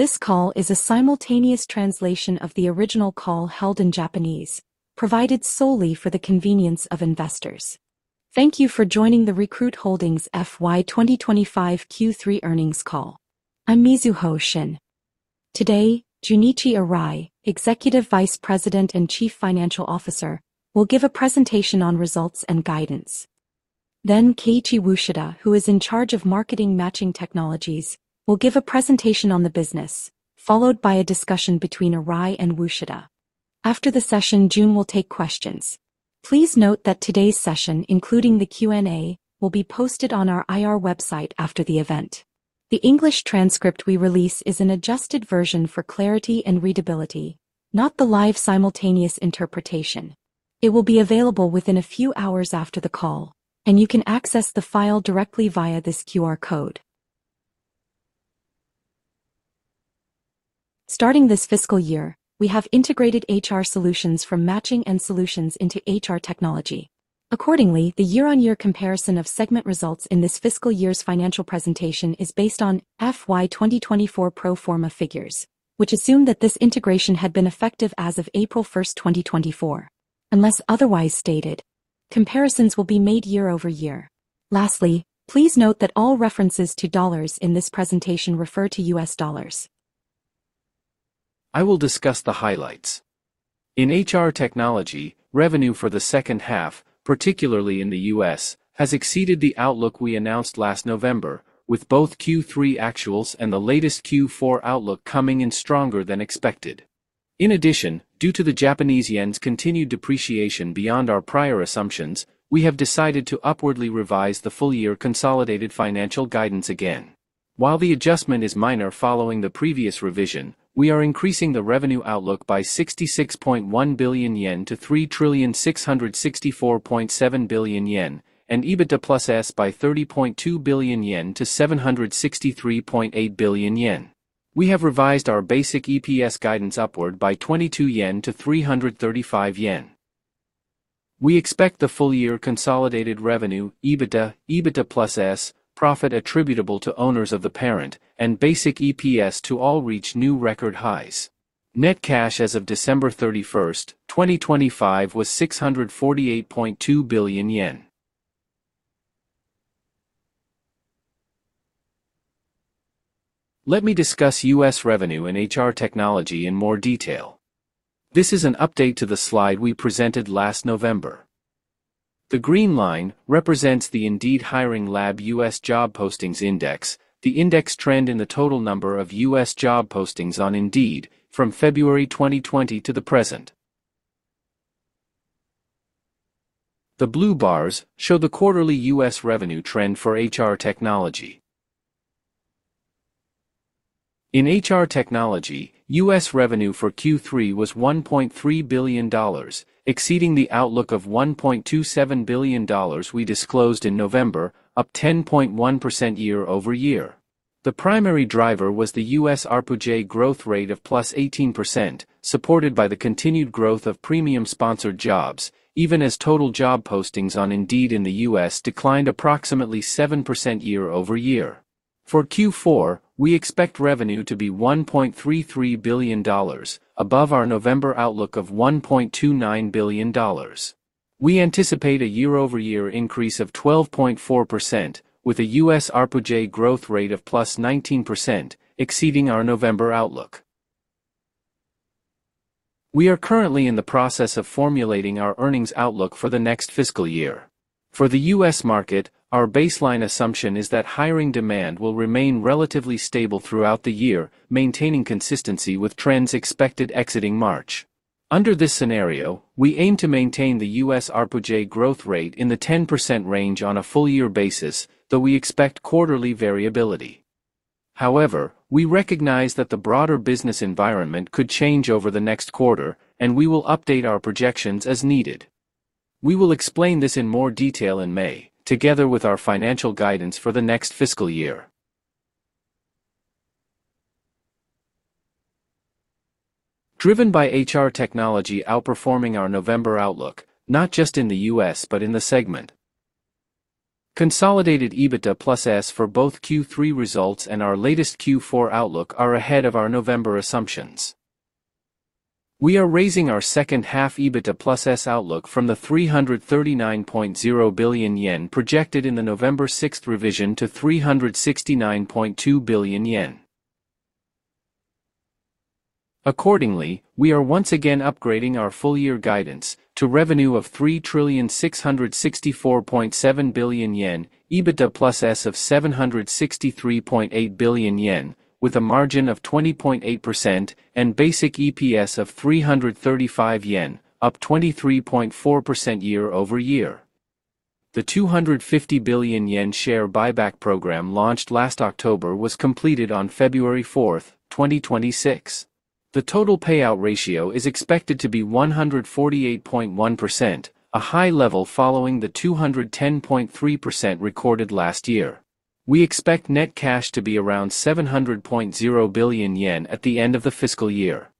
This call is a simultaneous translation of the original call held in Japanese, provided solely for the convenience of investors. Thank you for joining the Recruit Holdings FY 2025 Q3 earnings call. I'm Mizuho Shen. Today, Junichi Arai, Executive Vice President and Chief Financial Officer, will give a presentation on results and guidance. Then Keiichi Ushida, who is in charge of marketing matching technologies, will give a presentation on the business, followed by a discussion between Arai and Ushida. After the session, Junichi will take questions. Please note that today's session, including the Q&A, will be posted on our IR website after the event. The English transcript we release is an adjusted version for clarity and readability, not the live simultaneous interpretation. It will be available within a few hours after the call, and you can access the file directly via this QR code. Starting this fiscal year, we have integrated HR Solutions from Matching & Solutions into HR Technology. Accordingly, the year-on-year comparison of segment results in this fiscal year's financial presentation is based on FY 2024 pro forma figures, which assume that this integration had been effective as of April 1, 2024, unless otherwise stated. Comparisons will be made year-over-year. Lastly, please note that all references to dollars in this presentation refer to U.S. dollars. I will discuss the highlights. In HR Technology, revenue for the second half, particularly in the U.S., has exceeded the outlook we announced last November, with both Q3 actuals and the latest Q4 outlook coming in stronger than expected. In addition, due to the Japanese yen's continued depreciation beyond our prior assumptions, we have decided to upwardly revise the full-year consolidated financial guidance again. While the adjustment is minor following the previous revision, we are increasing the revenue outlook by 66.1 billion yen to 3,664.7 billion yen, and EBITDA+S by 30.2 billion yen to 763.8 billion yen. We have revised our basic EPS guidance upward by 22 yen to 335 yen. We expect the full-year consolidated revenue, EBITDA, EBITDA+S, profit attributable to owners of the parent, and basic EPS to all reach new record highs. Net cash as of December 31, 2025 was JPY 648.2 billion. Let me discuss U.S. revenue in HR Technology in more detail. This is an update to the slide we presented last November. The green line represents the Indeed Hiring Lab U.S. Job Postings Index, the index trend in the total number of U.S. job postings on Indeed, from February 2020 to the present. The blue bars show the quarterly U.S. revenue trend for HR Technology. In HR Technology, U.S. revenue for Q3 was $1.3 billion, exceeding the outlook of $1.27 billion we disclosed in November, up 10.1% year-over-year. The primary driver was the U.S. RPJ growth rate of +18%, supported by the continued growth of premium-sponsored jobs, even as total job postings on Indeed in the U.S. declined approximately 7% year-over-year. For Q4, we expect revenue to be $1.33 billion, above our November outlook of $1.29 billion. We anticipate a year-over-year increase of 12.4%, with a U.S. RPJ growth rate of +19%, exceeding our November outlook. We are currently in the process of formulating our earnings outlook for the next fiscal year. For the U.S. market, our baseline assumption is that hiring demand will remain relatively stable throughout the year, maintaining consistency with trends expected exiting March. Under this scenario, we aim to maintain the U.S. RPJ growth rate in the 10% range on a full-year basis, though we expect quarterly variability. However, we recognize that the broader business environment could change over the next quarter, and we will update our projections as needed. We will explain this in more detail in May, together with our financial guidance for the next fiscal year. Driven by HR technology outperforming our November outlook, not just in the U.S. but in the segment. Consolidated EBITDA+S for both Q3 results and our latest Q4 outlook are ahead of our November assumptions. We are raising our second half EBITDA+S outlook from the 339.0 billion yen projected in the November 6 revision to 369.2 billion yen. Accordingly, we are once again upgrading our full-year guidance to revenue of 3,664.7 billion yen, EBITDA+S of 763.8 billion yen, with a margin of 20.8%, and basic EPS of 335 yen, up 23.4% year-over-year. The 250 billion yen share buyback program launched last October was completed on February 4, 2026. The total payout ratio is expected to be 148.1%, a high level following the 210.3% recorded last year. We expect net cash to be around 700.0 billion yen at the end of the fiscal year.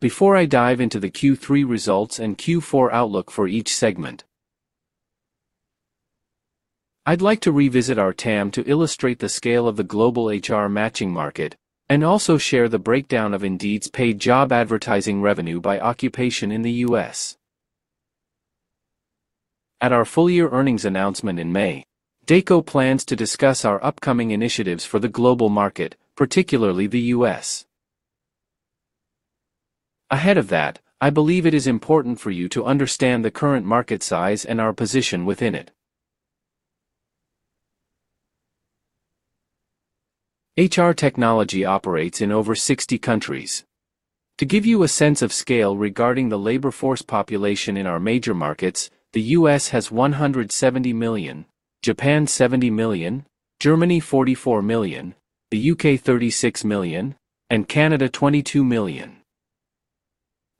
Before I dive into the Q3 results and Q4 outlook for each segment, I'd like to revisit our TAM to illustrate the scale of the global HR matching market, and also share the breakdown of Indeed's paid job advertising revenue by occupation in the U.S. At our full-year earnings announcement in May, Deko plans to discuss our upcoming initiatives for the global market, particularly the U.S. Ahead of that, I believe it is important for you to understand the current market size and our position within it. HR technology operates in over 60 countries. To give you a sense of scale regarding the labor force population in our major markets, the U.S. has 170 million, Japan 70 million, Germany 44 million, the U.K. 36 million, and Canada 22 million.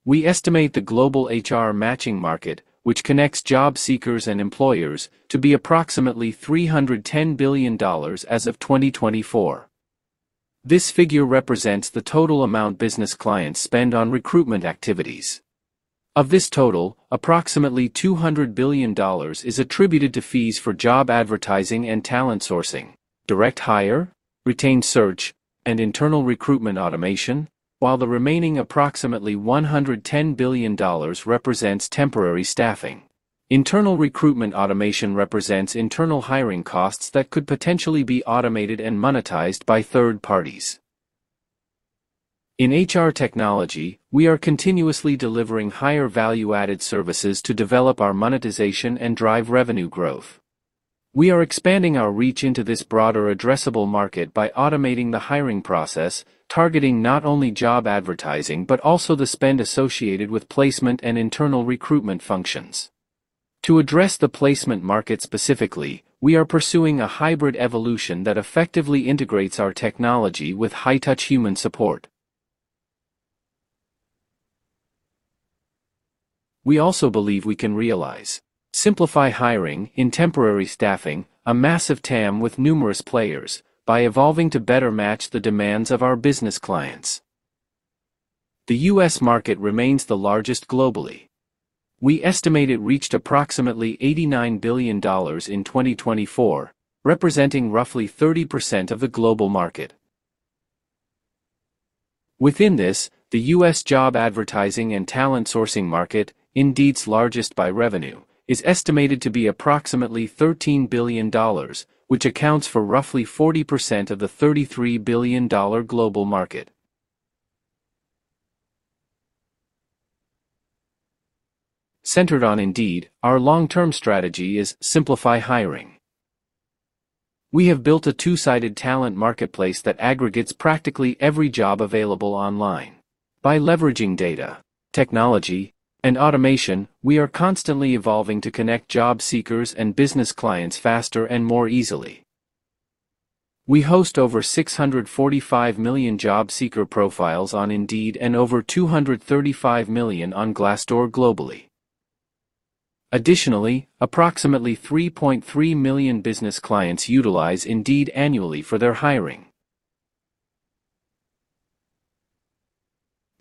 We estimate the global HR matching market, which connects job seekers and employers, to be approximately $310 billion as of 2024. This figure represents the total amount business clients spend on recruitment activities. Of this total, approximately $200 billion is attributed to fees for job advertising and talent sourcing, direct hire, retained search, and internal recruitment automation, while the remaining approximately $110 billion represents temporary staffing. Internal recruitment automation represents internal hiring costs that could potentially be automated and monetized by third parties. In HR technology, we are continuously delivering higher value-added services to develop our monetization and drive revenue growth. We are expanding our reach into this broader addressable market by automating the hiring process, targeting not only job advertising but also the spend associated with placement and internal recruitment functions. To address the placement market specifically, we are pursuing a hybrid evolution that effectively integrates our technology with high-touch human support. We also believe we can realize: Simplify Hiring, in temporary staffing, a massive TAM with numerous players, by evolving to better match the demands of our business clients. The U.S. market remains the largest globally. We estimate it reached approximately $89 billion in 2024, representing roughly 30% of the global market. Within this, the U.S. job advertising and talent sourcing market, Indeed's largest by revenue, is estimated to be approximately $13 billion, which accounts for roughly 40% of the $33 billion global market. Centered on Indeed, our long-term strategy is "Simplify Hiring." We have built a two-sided talent marketplace that aggregates practically every job available online. By leveraging data, technology, and automation, we are constantly evolving to connect job seekers and business clients faster and more easily. We host over 645 million job seeker profiles on Indeed and over 235 million on Glassdoor globally. Additionally, approximately 3.3 million business clients utilize Indeed annually for their hiring.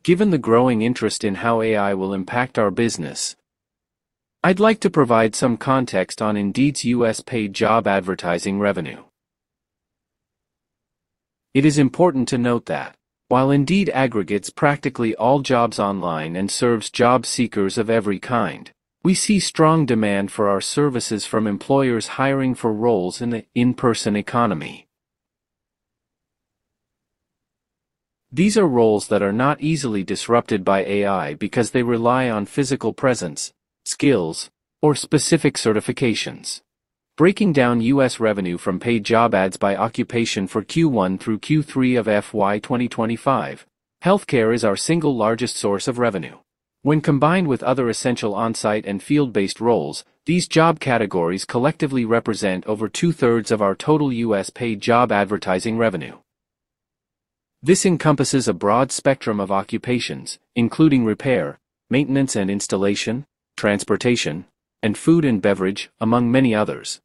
Given the growing interest in how AI will impact our business, I'd like to provide some context on Indeed's U.S. paid job advertising revenue. It is important to note that, while Indeed aggregates practically all jobs online and serves job seekers of every kind, we see strong demand for our services from employers hiring for roles in the "in-person economy." These are roles that are not easily disrupted by AI because they rely on physical presence, skills, or specific certifications. Breaking down U.S. revenue from paid job ads by occupation for Q1 through Q3 of FY 2025: healthcare is our single largest source of revenue. When combined with other essential on-site and field-based roles, these job categories collectively represent over two-thirds of our total U.S. paid job advertising revenue. This encompasses a broad spectrum of occupations, including repair, maintenance and installation, transportation, and food and beverage, among many others.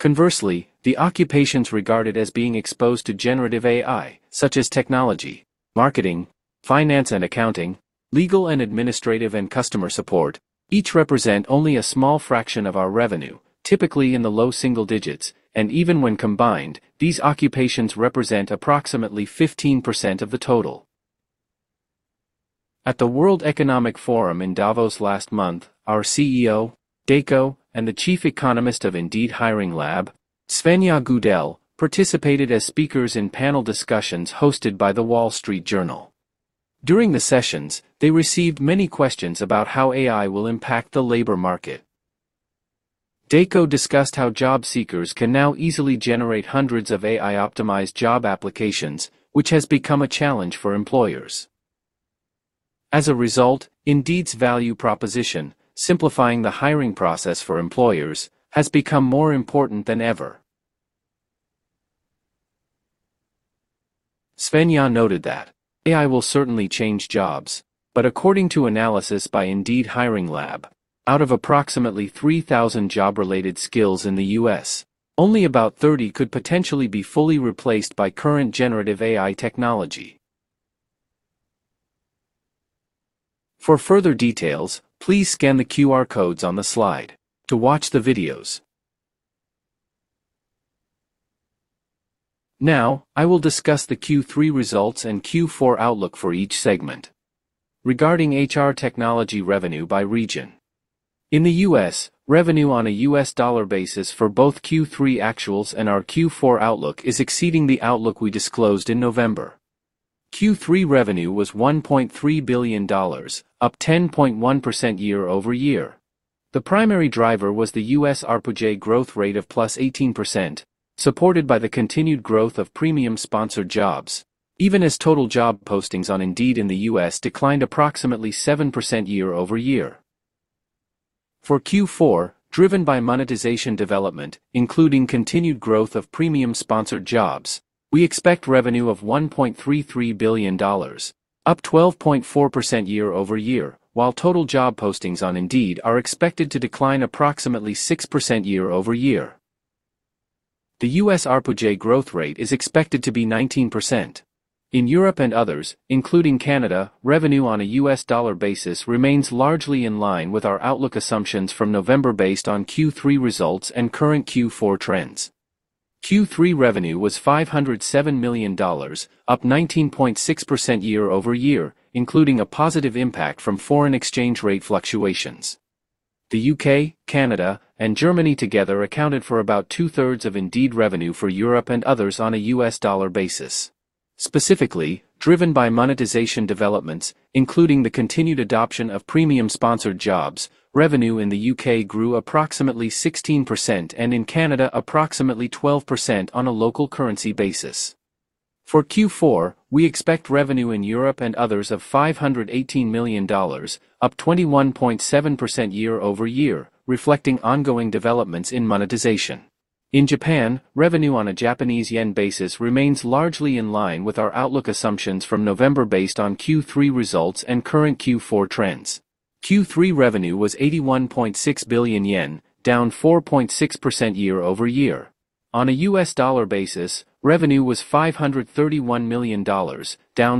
Conversely, the occupations regarded as being exposed to generative AI, such as technology, marketing, finance and accounting, legal and administrative and customer support, each represent only a small fraction of our revenue, typically in the low single digits, and even when combined, these occupations represent approximately 15% of the total. At the World Economic Forum in Davos last month, our CEO, Deko, and the chief economist of Indeed Hiring Lab, Svenja Gudell, participated as speakers in panel discussions hosted by The Wall Street Journal. During the sessions, they received many questions about how AI will impact the labor market. Deko discussed how job seekers can now easily generate hundreds of AI-optimized job applications, which has become a challenge for employers. As a result, Indeed's value proposition, simplifying the hiring process for employers, has become more important than ever. Svenja noted that: "AI will certainly change jobs, but according to analysis by Indeed Hiring Lab, out of approximately 3,000 job-related skills in the U.S., only about 30 could potentially be fully replaced by current generative AI technology." For further details, please scan the QR codes on the slide to watch the videos. Now, I will discuss the Q3 results and Q4 outlook for each segment. Regarding HR Technology revenue by region: In the U.S., revenue on a U.S. dollar basis for both Q3 actuals and our Q4 outlook is exceeding the outlook we disclosed in November. Q3 revenue was $1.3 billion, up 10.1% year-over-year. The primary driver was the U.S. RPJ growth rate of +18%, supported by the continued growth of premium-sponsored jobs, even as total job postings on Indeed in the U.S. declined approximately 7% year-over-year. For Q4, driven by monetization development, including continued growth of premium-sponsored jobs, we expect revenue of $1.33 billion, up 12.4% year-over-year, while total job postings on Indeed are expected to decline approximately 6% year-over-year. The U.S. RPJ growth rate is expected to be 19%. In Europe and others, including Canada, revenue on a U.S. dollar basis remains largely in line with our outlook assumptions from November based on Q3 results and current Q4 trends. Q3 revenue was $507 million, up 19.6% year-over-year, including a positive impact from foreign exchange rate fluctuations. The U.K., Canada, and Germany together accounted for about two-thirds of Indeed revenue for Europe and others on a U.S. dollar basis. Specifically, driven by monetization developments, including the continued adoption of premium-sponsored jobs, revenue in the U.K. grew approximately 16% and in Canada approximately 12% on a local currency basis. For Q4, we expect revenue in Europe and others of $518 million, up 21.7% year-over-year, reflecting ongoing developments in monetization. In Japan, revenue on a Japanese yen basis remains largely in line with our outlook assumptions from November based on Q3 results and current Q4 trends. Q3 revenue was 81.6 billion yen, down 4.6% year-over-year. On a U.S. dollar basis, revenue was $531 million, down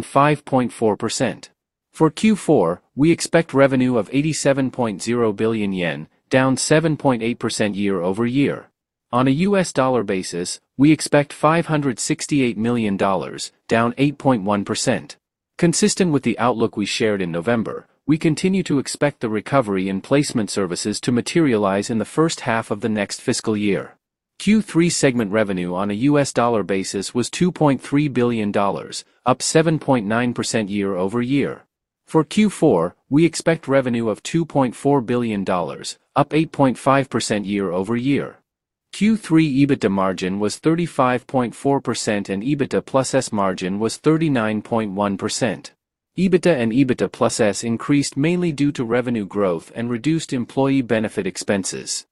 5.4%. For Q4, we expect revenue of 87.0 billion yen, down 7.8% year-over-year. On a U.S. dollar basis, we expect $568 million, down 8.1%. Consistent with the outlook we shared in November, we continue to expect the recovery in placement services to materialize in the first half of the next fiscal year. Q3 segment revenue on a U.S. dollar basis was $2.3 billion, up 7.9% year-over-year. For Q4, we expect revenue of $2.4 billion, up 8.5% year-over-year. Q3 EBITDA margin was 35.4% and EBITDA+S margin was 39.1%. EBITDA and EBITDA+S increased mainly due to revenue growth and reduced employee benefit expenses.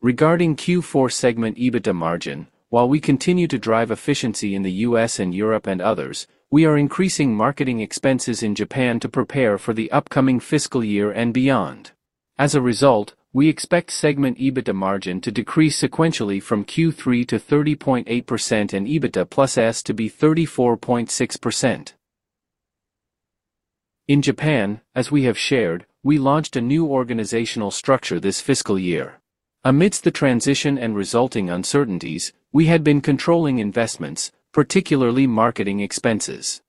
Regarding Q4 segment EBITDA margin: While we continue to drive efficiency in the U.S. and Europe and others, we are increasing marketing expenses in Japan to prepare for the upcoming fiscal year and beyond. As a result, we expect segment EBITDA margin to decrease sequentially from Q3 to 30.8% and EBITDA+S to be 34.6%. In Japan, as we have shared, we launched a new organizational structure this fiscal year. Amidst the transition and resulting uncertainties, we had been controlling investments, particularly marketing expenses.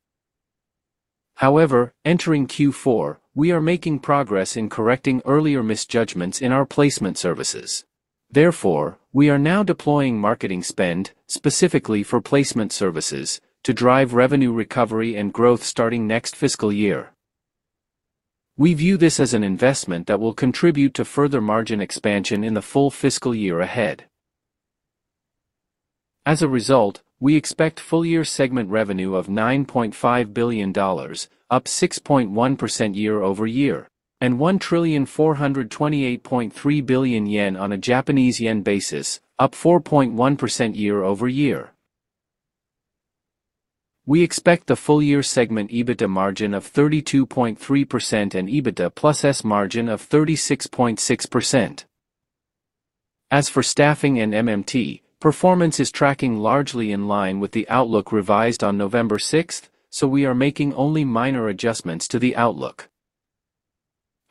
However, entering Q4, we are making progress in correcting earlier misjudgments in our placement services. Therefore, we are now deploying marketing spend, specifically for placement services, to drive revenue recovery and growth starting next fiscal year. We view this as an investment that will contribute to further margin expansion in the full fiscal year ahead. As a result, we expect full-year segment revenue of $9.5 billion, up 6.1% year-over-year, and 1,428.3 billion yen on a Japanese yen basis, up 4.1% year-over-year. We expect the full-year segment EBITDA margin of 32.3% and EBITDA+S margin of 36.6%. As for staffing and MMT, performance is tracking largely in line with the outlook revised on November 6, so we are making only minor adjustments to the outlook.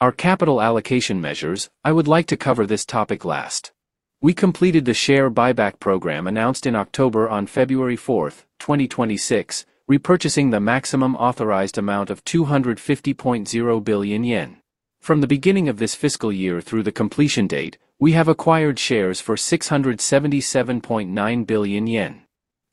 Our capital allocation measures: I would like to cover this topic last. We completed the share buyback program announced in October on February 4, 2026, repurchasing the maximum authorized amount of 250.0 billion yen. From the beginning of this fiscal year through the completion date, we have acquired shares for 677.9 billion yen.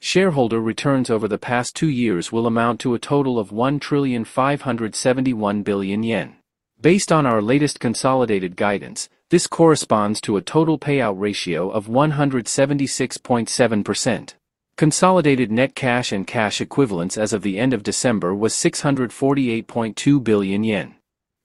Shareholder returns over the past two years will amount to a total of 1,571,000,000 yen. Based on our latest consolidated guidance, this corresponds to a total payout ratio of 176.7%. Consolidated net cash and cash equivalence as of the end of December was 648.2 billion yen.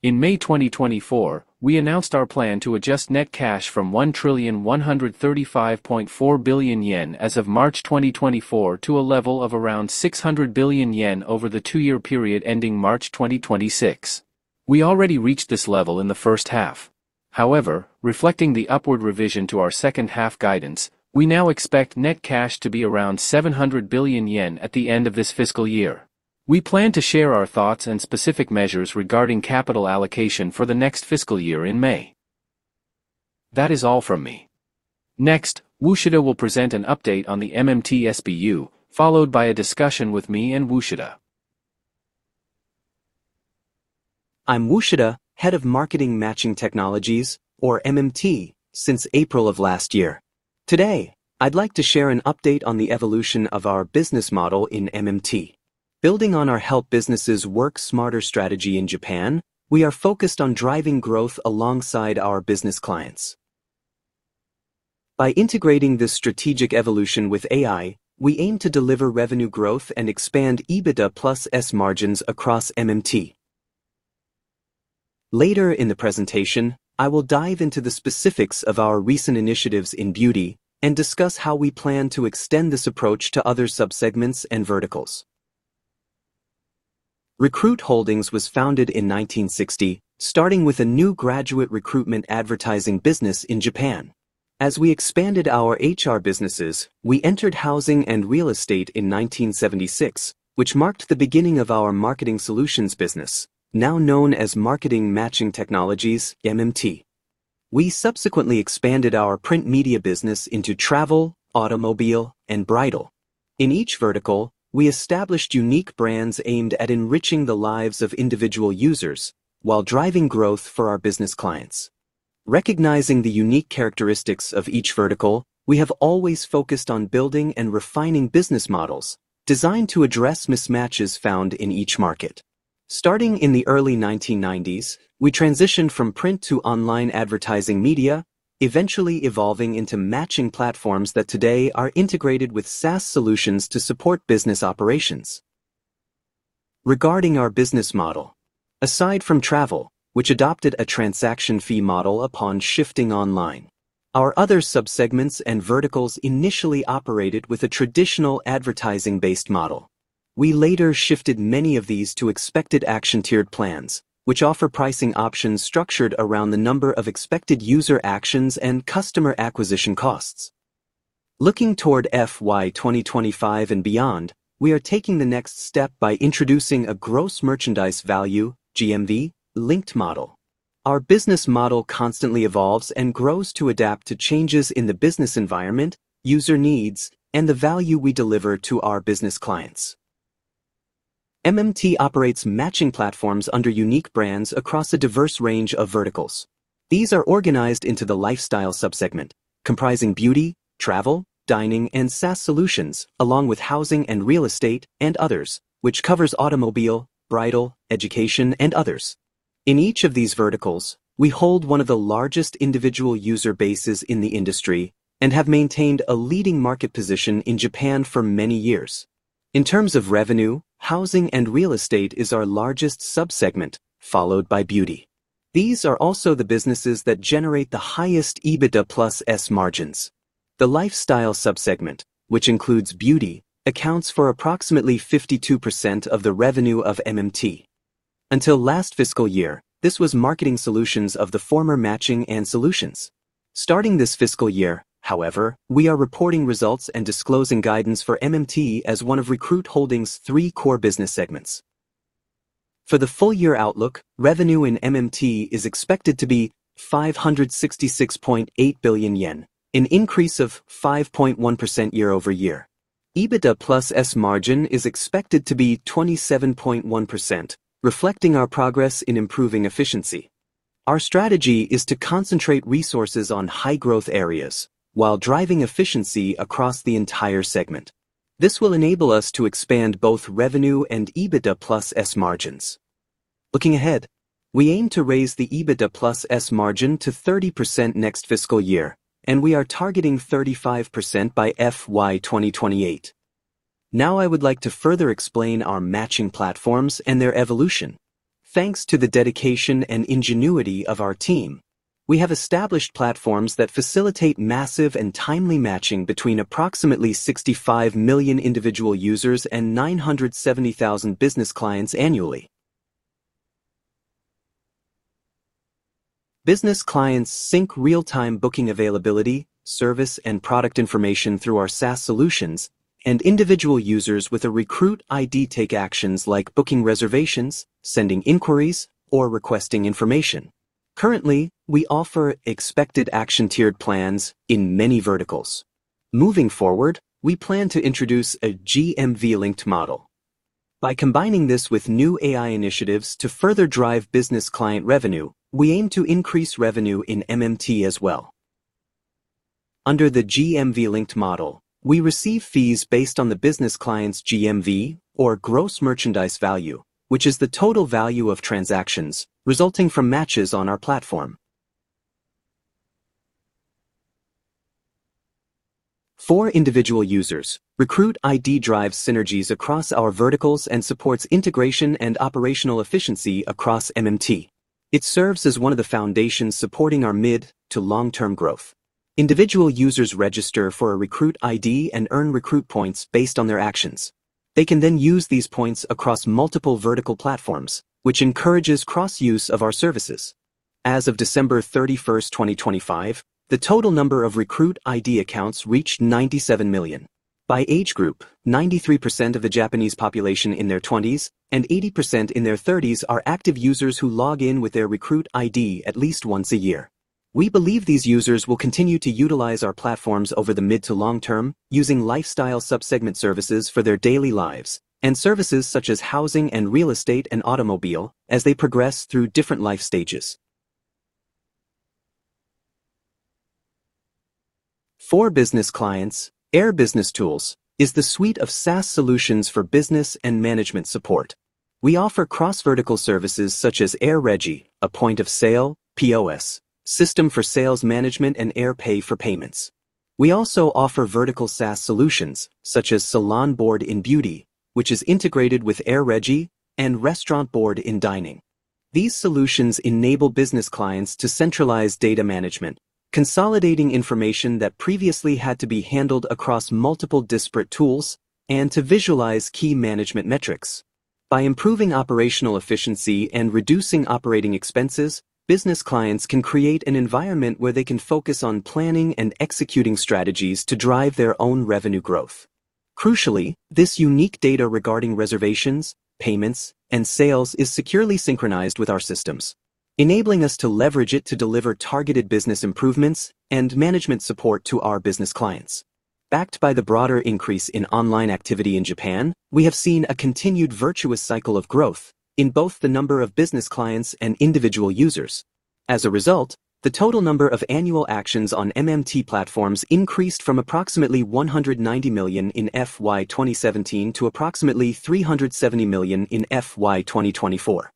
In May 2024, we announced our plan to adjust net cash from 1,135.4 billion yen as of March 2024 to a level of around 600 billion yen over the two-year period ending March 2026. We already reached this level in the first half. However, reflecting the upward revision to our second half guidance, we now expect net cash to be around 700 billion yen at the end of this fiscal year. We plan to share our thoughts and specific measures regarding capital allocation for the next fiscal year in May. That is all from me. Next, Ushida will present an update on the MMT SBU, followed by a discussion with me and Ushida. I'm Ushida, head of Marketing Matching Technologies, or MMT, since April of last year. Today, I'd like to share an update on the evolution of our business model in MMT. Building on our Help Businesses Work Smarter strategy in Japan, we are focused on driving growth alongside our business clients. By integrating this strategic evolution with AI, we aim to deliver revenue growth and expand EBITDA+S margins across MMT. Later in the presentation, I will dive into the specifics of our recent initiatives in beauty and discuss how we plan to extend this approach to other subsegments and verticals. Recruit Holdings was founded in 1960, starting with a new graduate recruitment advertising business in Japan. As we expanded our HR businesses, we entered housing and real estate in 1976, which marked the beginning of our marketing solutions business, now known as Marketing Matching Technologies, MMT. We subsequently expanded our print media business into travel, automobile, and bridal. In each vertical, we established unique brands aimed at enriching the lives of individual users while driving growth for our business clients. Recognizing the unique characteristics of each vertical, we have always focused on building and refining business models designed to address mismatches found in each market. Starting in the early 1990s, we transitioned from print to online advertising media, eventually evolving into matching platforms that today are integrated with SaaS solutions to support business operations. Regarding our business model: Aside from travel, which adopted a transaction fee model upon shifting online, our other subsegments and verticals initially operated with a traditional advertising-based model. We later shifted many of these to expected action-tiered plans, which offer pricing options structured around the number of expected user actions and customer acquisition costs. Looking toward FY 2025 and beyond, we are taking the next step by introducing a Gross Merchandise Value (GMV)-linked model. Our business model constantly evolves and grows to adapt to changes in the business environment, user needs, and the value we deliver to our business clients. MMT operates matching platforms under unique brands across a diverse range of verticals. These are organized into the Lifestyle subsegment, comprising beauty, travel, dining, and SaaS solutions, along with housing and real estate, and others, which covers automobile, bridal, education, and others. In each of these verticals, we hold one of the largest individual user bases in the industry and have maintained a leading market position in Japan for many years. In terms of revenue, housing and real estate is our largest subsegment, followed by beauty. These are also the businesses that generate the highest EBITDA+S margins. The Lifestyle subsegment, which includes beauty, accounts for approximately 52% of the revenue of MMT. Until last fiscal year, this was Marketing Solutions of the former Matching & Solutions. Starting this fiscal year, however, we are reporting results and disclosing guidance for MMT as one of Recruit Holdings' three core business segments. For the full-year outlook, revenue in MMT is expected to be 566.8 billion yen, an increase of 5.1% year-over-year. EBITDA + S margin is expected to be 27.1%, reflecting our progress in improving efficiency. Our strategy is to concentrate resources on high-growth areas while driving efficiency across the entire segment. This will enable us to expand both revenue and EBITDA + S margins. Looking ahead: We aim to raise the EBITDA + S margin to 30% next fiscal year, and we are targeting 35% by FY 2028. Now I would like to further explain our matching platforms and their evolution. Thanks to the dedication and ingenuity of our team, we have established platforms that facilitate massive and timely matching between approximately 65 million individual users and 970,000 business clients annually. Business clients sync real-time booking availability, service, and product information through our SaaS solutions, and individual users with a Recruit ID take actions like booking reservations, sending inquiries, or requesting information. Currently, we offer expected action-tiered plans in many verticals. Moving forward, we plan to introduce a GMV-linked model. By combining this with new AI initiatives to further drive business client revenue, we aim to increase revenue in MMT as well. Under the GMV-linked model, we receive fees based on the business client's GMV, or Gross Merchandise Value, which is the total value of transactions resulting from matches on our platform. For individual users, Recruit ID drives synergies across our verticals and supports integration and operational efficiency across MMT. It serves as one of the foundations supporting our mid- to long-term growth. Individual users register for a Recruit ID and earn Recruit Points based on their actions. They can then use these points across multiple vertical platforms, which encourages cross-use of our services. As of December 31, 2025, the total number of Recruit ID accounts reached 97 million. By age group, 93% of the Japanese population in their 20s and 80% in their 30s are active users who log in with their Recruit ID at least once a year. We believe these users will continue to utilize our platforms over the mid- to long term, using Lifestyle subsegment services for their daily lives, and services such as housing and real estate and automobile as they progress through different life stages. For business clients, Air BusinessTools is the suite of SaaS solutions for business and management support. We offer cross-vertical services such as AirREGI, a point of sale (POS), system for sales management, and Airpay for payments. We also offer vertical SaaS solutions such as SALON BOARD in beauty, which is integrated with AirREGI, and RESTAURANT BOARD in dining. These solutions enable business clients to centralize data management, consolidating information that previously had to be handled across multiple disparate tools, and to visualize key management metrics. By improving operational efficiency and reducing operating expenses, business clients can create an environment where they can focus on planning and executing strategies to drive their own revenue growth. Crucially, this unique data regarding reservations, payments, and sales is securely synchronized with our systems, enabling us to leverage it to deliver targeted business improvements and management support to our business clients. Backed by the broader increase in online activity in Japan, we have seen a continued virtuous cycle of growth in both the number of business clients and individual users. As a result, the total number of annual actions on MMT platforms increased from approximately 190 million in FY 2017 to approximately 370 million in FY 2024.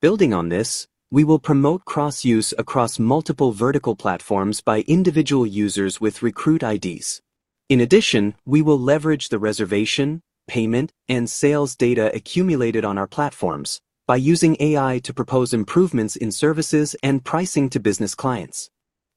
Building on this, we will promote cross-use across multiple vertical platforms by individual users with Recruit IDs. In addition, we will leverage the reservation, payment, and sales data accumulated on our platforms by using AI to propose improvements in services and pricing to business clients.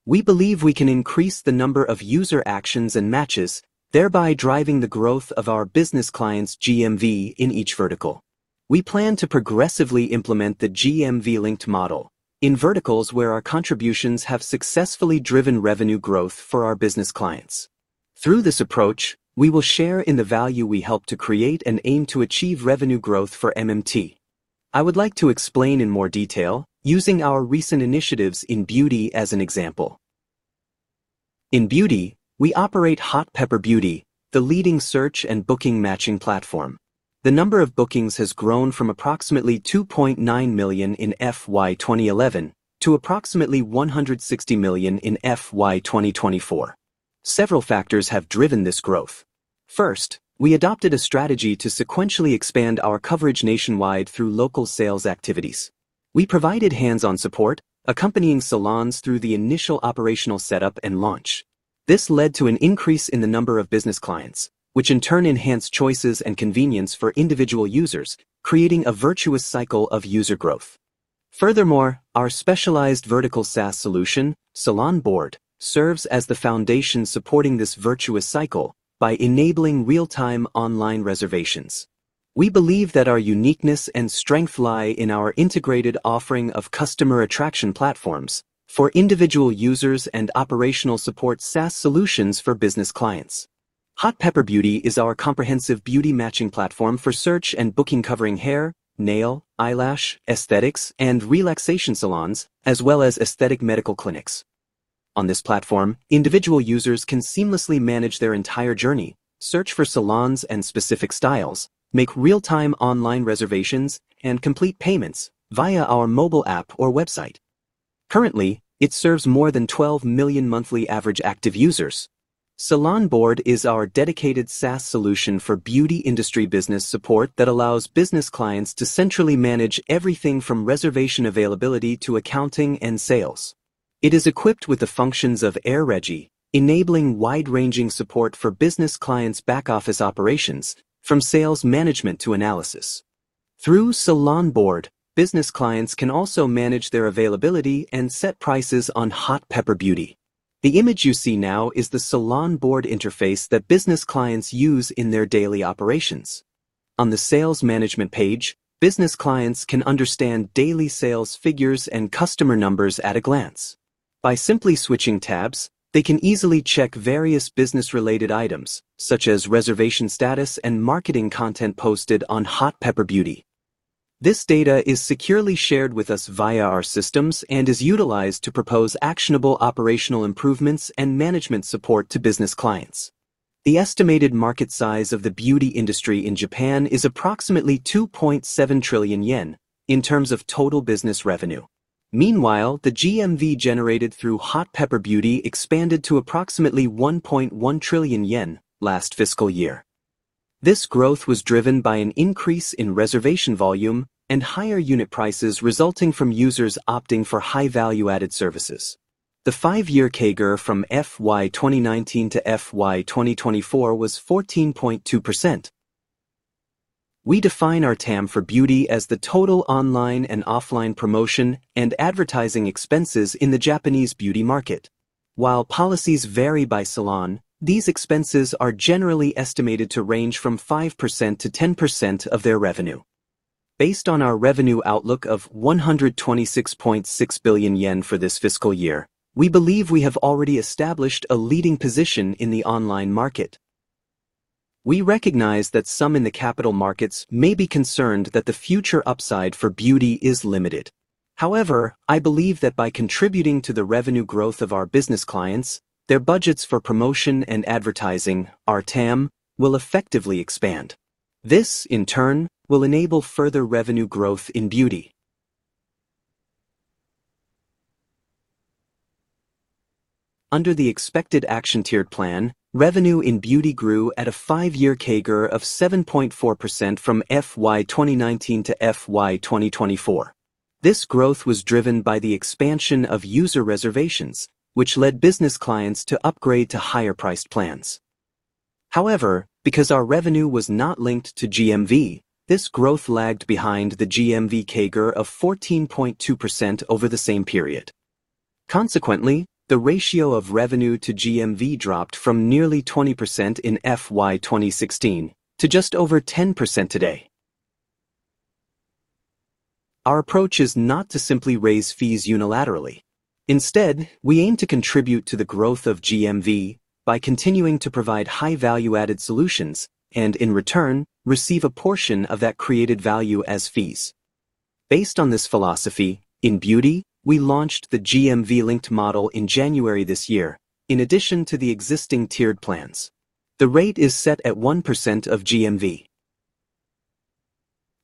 We believe we can increase the number of user actions and matches, thereby driving the growth of our business clients' GMV in each vertical. We plan to progressively implement the GMV-linked model in verticals where our contributions have successfully driven revenue growth for our business clients. Through this approach, we will share in the value we help to create and aim to achieve revenue growth for MMT. I would like to explain in more detail, using our recent initiatives in beauty as an example. In beauty, we operate Hot Pepper Beauty, the leading search and booking matching platform. The number of bookings has grown from approximately 2.9 million in FY 2011 to approximately 160 million in FY 2024. Several factors have driven this growth. First, we adopted a strategy to sequentially expand our coverage nationwide through local sales activities. We provided hands-on support, accompanying salons through the initial operational setup and launch. This led to an increase in the number of business clients, which in turn enhanced choices and convenience for individual users, creating a virtuous cycle of user growth. Furthermore, our specialized vertical SaaS solution, SALON BOARD, serves as the foundation supporting this virtuous cycle by enabling real-time online reservations. We believe that our uniqueness and strength lie in our integrated offering of customer attraction platforms for individual users and operational support SaaS solutions for business clients. Hot Pepper Beauty is our comprehensive beauty matching platform for search and booking covering hair, nail, eyelash, aesthetics, and relaxation salons, as well as aesthetic medical clinics. On this platform, individual users can seamlessly manage their entire journey, search for salons and specific styles, make real-time online reservations, and complete payments via our mobile app or website. Currently, it serves more than 12 million monthly average active users. SALON BOARD is our dedicated SaaS solution for beauty industry business support that allows business clients to centrally manage everything from reservation availability to accounting and sales. It is equipped with the functions of AirREGI, enabling wide-ranging support for business clients' back-office operations, from sales management to analysis. Through SALON BOARD, business clients can also manage their availability and set prices on Hot Pepper Beauty. The image you see now is the SALON BOARD interface that business clients use in their daily operations. On the Sales Management page, business clients can understand daily sales figures and customer numbers at a glance. By simply switching tabs, they can easily check various business-related items, such as reservation status and marketing content posted on Hot Pepper Beauty. This data is securely shared with us via our systems and is utilized to propose actionable operational improvements and management support to business clients. The estimated market size of the beauty industry in Japan is approximately 2.7 trillion yen in terms of total business revenue. Meanwhile, the GMV generated through Hot Pepper Beauty expanded to approximately 1.1 trillion yen last fiscal year. This growth was driven by an increase in reservation volume and higher unit prices resulting from users opting for high-value-added services. The five-year CAGR from FY 2019 to FY 2024 was 14.2%. We define our TAM for beauty as the total online and offline promotion and advertising expenses in the Japanese beauty market. While policies vary by salon, these expenses are generally estimated to range from 5%-10% of their revenue. Based on our revenue outlook of 126.6 billion yen for this fiscal year, we believe we have already established a leading position in the online market. We recognize that some in the capital markets may be concerned that the future upside for beauty is limited. However, I believe that by contributing to the revenue growth of our business clients, their budgets for promotion and advertising (our TAM) will effectively expand. This, in turn, will enable further revenue growth in beauty. Under the expected action-tiered plan, revenue in beauty grew at a five-year CAGR of 7.4% from FY 2019 to FY 2024. This growth was driven by the expansion of user reservations, which led business clients to upgrade to higher-priced plans. However, because our revenue was not linked to GMV, this growth lagged behind the GMV CAGR of 14.2% over the same period. Consequently, the ratio of revenue to GMV dropped from nearly 20% in FY 2016 to just over 10% today. Our approach is not to simply raise fees unilaterally. Instead, we aim to contribute to the growth of GMV by continuing to provide high-value-added solutions and, in return, receive a portion of that created value as fees. Based on this philosophy, in beauty, we launched the GMV-linked model in January this year, in addition to the existing tiered plans. The rate is set at 1% of GMV.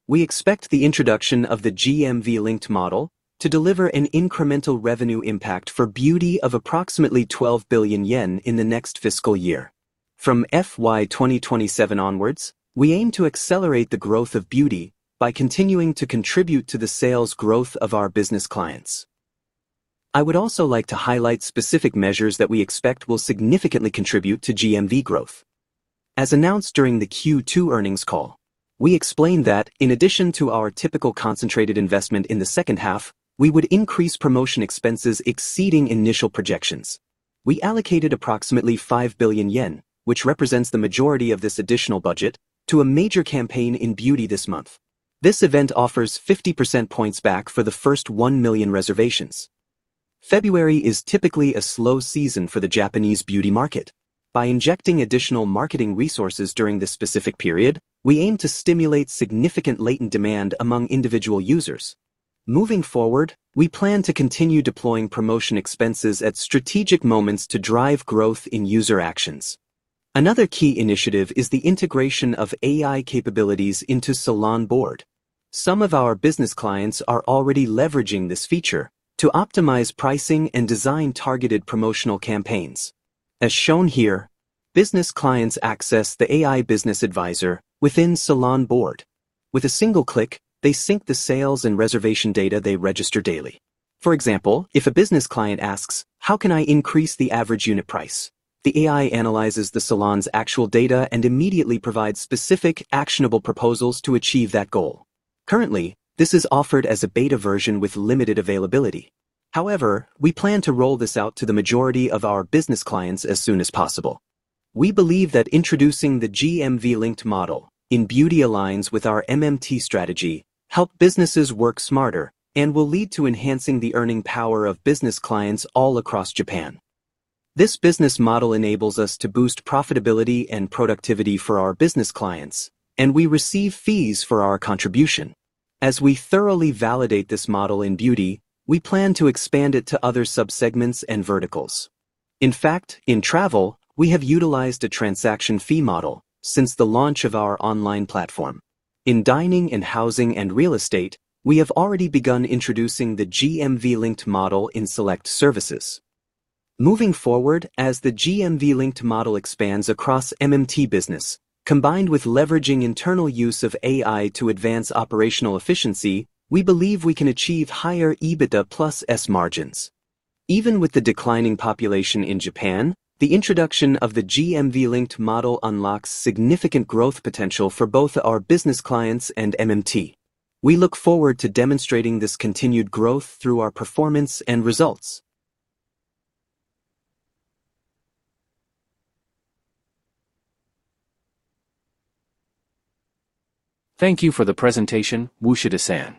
We expect the introduction of the GMV-linked model to deliver an incremental revenue impact for beauty of approximately 12 billion yen in the next fiscal year. From FY 2027 onwards, we aim to accelerate the growth of beauty by continuing to contribute to the sales growth of our business clients. I would also like to highlight specific measures that we expect will significantly contribute to GMV growth. As announced during the Q2 earnings call, we explained that, in addition to our typical concentrated investment in the second half, we would increase promotion expenses exceeding initial projections. We allocated approximately 5 billion yen, which represents the majority of this additional budget, to a major campaign in beauty this month. This event offers 50% points back for the first 1 million reservations. February is typically a slow season for the Japanese beauty market. By injecting additional marketing resources during this specific period, we aim to stimulate significant latent demand among individual users. Moving forward, we plan to continue deploying promotion expenses at strategic moments to drive growth in user actions. Another key initiative is the integration of AI capabilities into Salon Board. Some of our business clients are already leveraging this feature to optimize pricing and design targeted promotional campaigns. As shown here, business clients access the AI business advisor within Salon Board. With a single click, they sync the sales and reservation data they register daily. For example, if a business client asks, "How can I increase the average unit price?" the AI analyzes the salon's actual data and immediately provides specific, actionable proposals to achieve that goal. Currently, this is offered as a beta version with limited availability. However, we plan to roll this out to the majority of our business clients as soon as possible. We believe that introducing the GMV-linked model in beauty aligns with our MMT strategy, helps businesses work smarter, and will lead to enhancing the earning power of business clients all across Japan. This business model enables us to boost profitability and productivity for our business clients, and we receive fees for our contribution. As we thoroughly validate this model in beauty, we plan to expand it to other subsegments and verticals. In fact, in travel, we have utilized a transaction fee model since the launch of our online platform. In dining and housing and real estate, we have already begun introducing the GMV-linked model in select services. Moving forward, as the GMV-linked model expands across MMT business, combined with leveraging internal use of AI to advance operational efficiency, we believe we can achieve higher EBITDA + S margins. Even with the declining population in Japan, the introduction of the GMV-linked model unlocks significant growth potential for both our business clients and MMT. We look forward to demonstrating this continued growth through our performance and results. Thank you for the presentation, Ushida-san.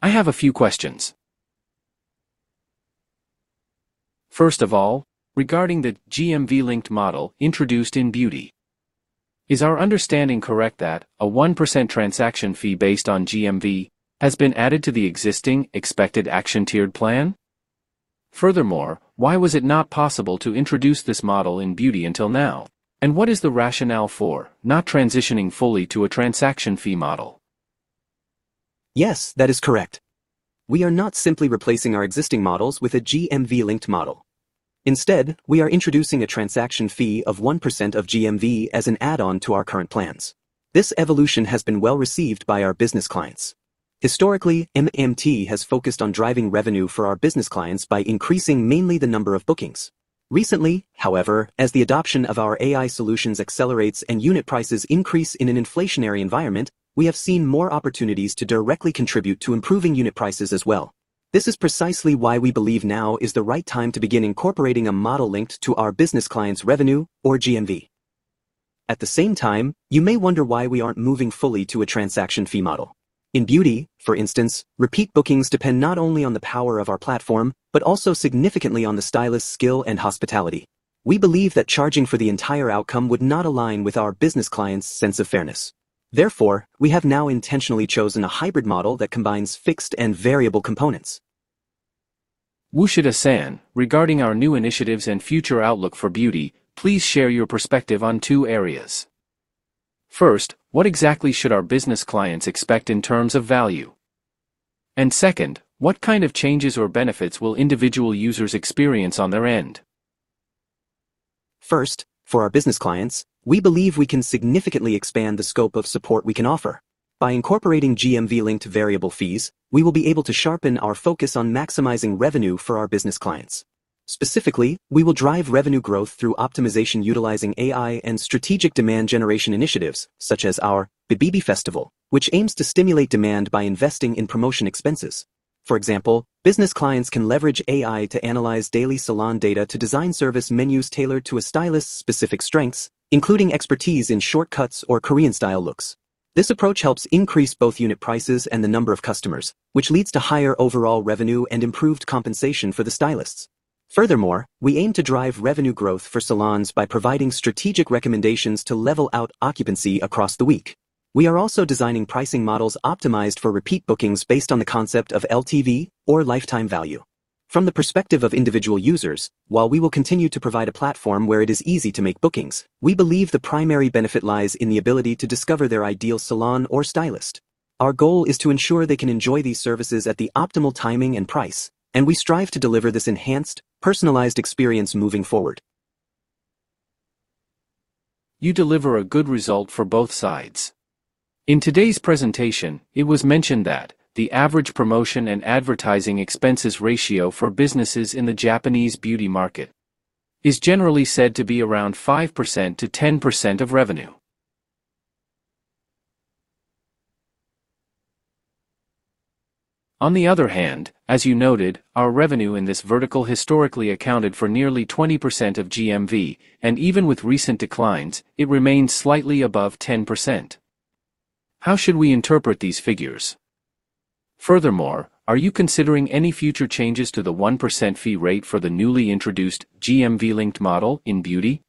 I have a few questions. First of all, regarding the GMV-linked model introduced in beauty, is our understanding correct that a 1% transaction fee based on GMV has been added to the existing expected action-tiered plan? Furthermore, why was it not possible to introduce this model in beauty until now, and what is the rationale for not transitioning fully to a transaction fee model? Yes, that is correct. We are not simply replacing our existing models with a GMV-linked model. Instead, we are introducing a transaction fee of 1% of GMV as an add-on to our current plans. This evolution has been well received by our business clients. Historically, MMT has focused on driving revenue for our business clients by increasing mainly the number of bookings. Recently, however, as the adoption of our AI solutions accelerates and unit prices increase in an inflationary environment, we have seen more opportunities to directly contribute to improving unit prices as well. This is precisely why we believe now is the right time to begin incorporating a model linked to our business clients' revenue (or GMV). At the same time, you may wonder why we aren't moving fully to a transaction fee model. In beauty, for instance, repeat bookings depend not only on the power of our platform but also significantly on the stylist's skill and hospitality. We believe that charging for the entire outcome would not align with our business clients' sense of fairness. Therefore, we have now intentionally chosen a hybrid model that combines fixed and variable components. Ushida-san, regarding our new initiatives and future outlook for beauty, please share your perspective on two areas. First, what exactly should our business clients expect in terms of value? And second, what kind of changes or benefits will individual users experience on their end? First, for our business clients, we believe we can significantly expand the scope of support we can offer. By incorporating GMV-linked variable fees, we will be able to sharpen our focus on maximizing revenue for our business clients. Specifically, we will drive revenue growth through optimization utilizing AI and strategic demand generation initiatives, such as our "Bibibi Festival," which aims to stimulate demand by investing in promotion expenses. For example, business clients can leverage AI to analyze daily salon data to design service menus tailored to a stylist's specific strengths, including expertise in short cuts or Korean-style looks. This approach helps increase both unit prices and the number of customers, which leads to higher overall revenue and improved compensation for the stylists. Furthermore, we aim to drive revenue growth for salons by providing strategic recommendations to level out occupancy across the week. We are also designing pricing models optimized for repeat bookings based on the concept of LTV, or lifetime value. From the perspective of individual users, while we will continue to provide a platform where it is easy to make bookings, we believe the primary benefit lies in the ability to discover their ideal salon or stylist. Our goal is to ensure they can enjoy these services at the optimal timing and price, and we strive to deliver this enhanced, personalized experience moving forward. You deliver a good result for both sides. In today's presentation, it was mentioned that the average promotion and advertising expenses ratio for businesses in the Japanese beauty market is generally said to be around 5%-10% of revenue. On the other hand, as you noted, our revenue in this vertical historically accounted for nearly 20% of GMV, and even with recent declines, it remains slightly above 10%. How should we interpret these figures? Furthermore, are you considering any future changes to the 1% fee rate for the newly introduced GMV-linked model in beauty?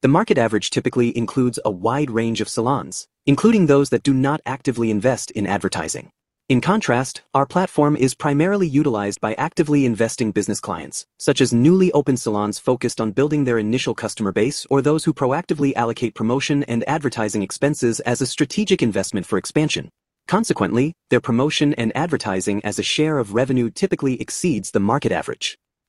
The market average typically includes a wide range of salons, including those that do not actively invest in advertising. In contrast, our platform is primarily utilized by actively investing business clients, such as newly opened salons focused on building their initial customer base or those who proactively allocate promotion and advertising expenses as a strategic investment for expansion. Consequently, their promotion and advertising as a share of revenue typically exceeds the market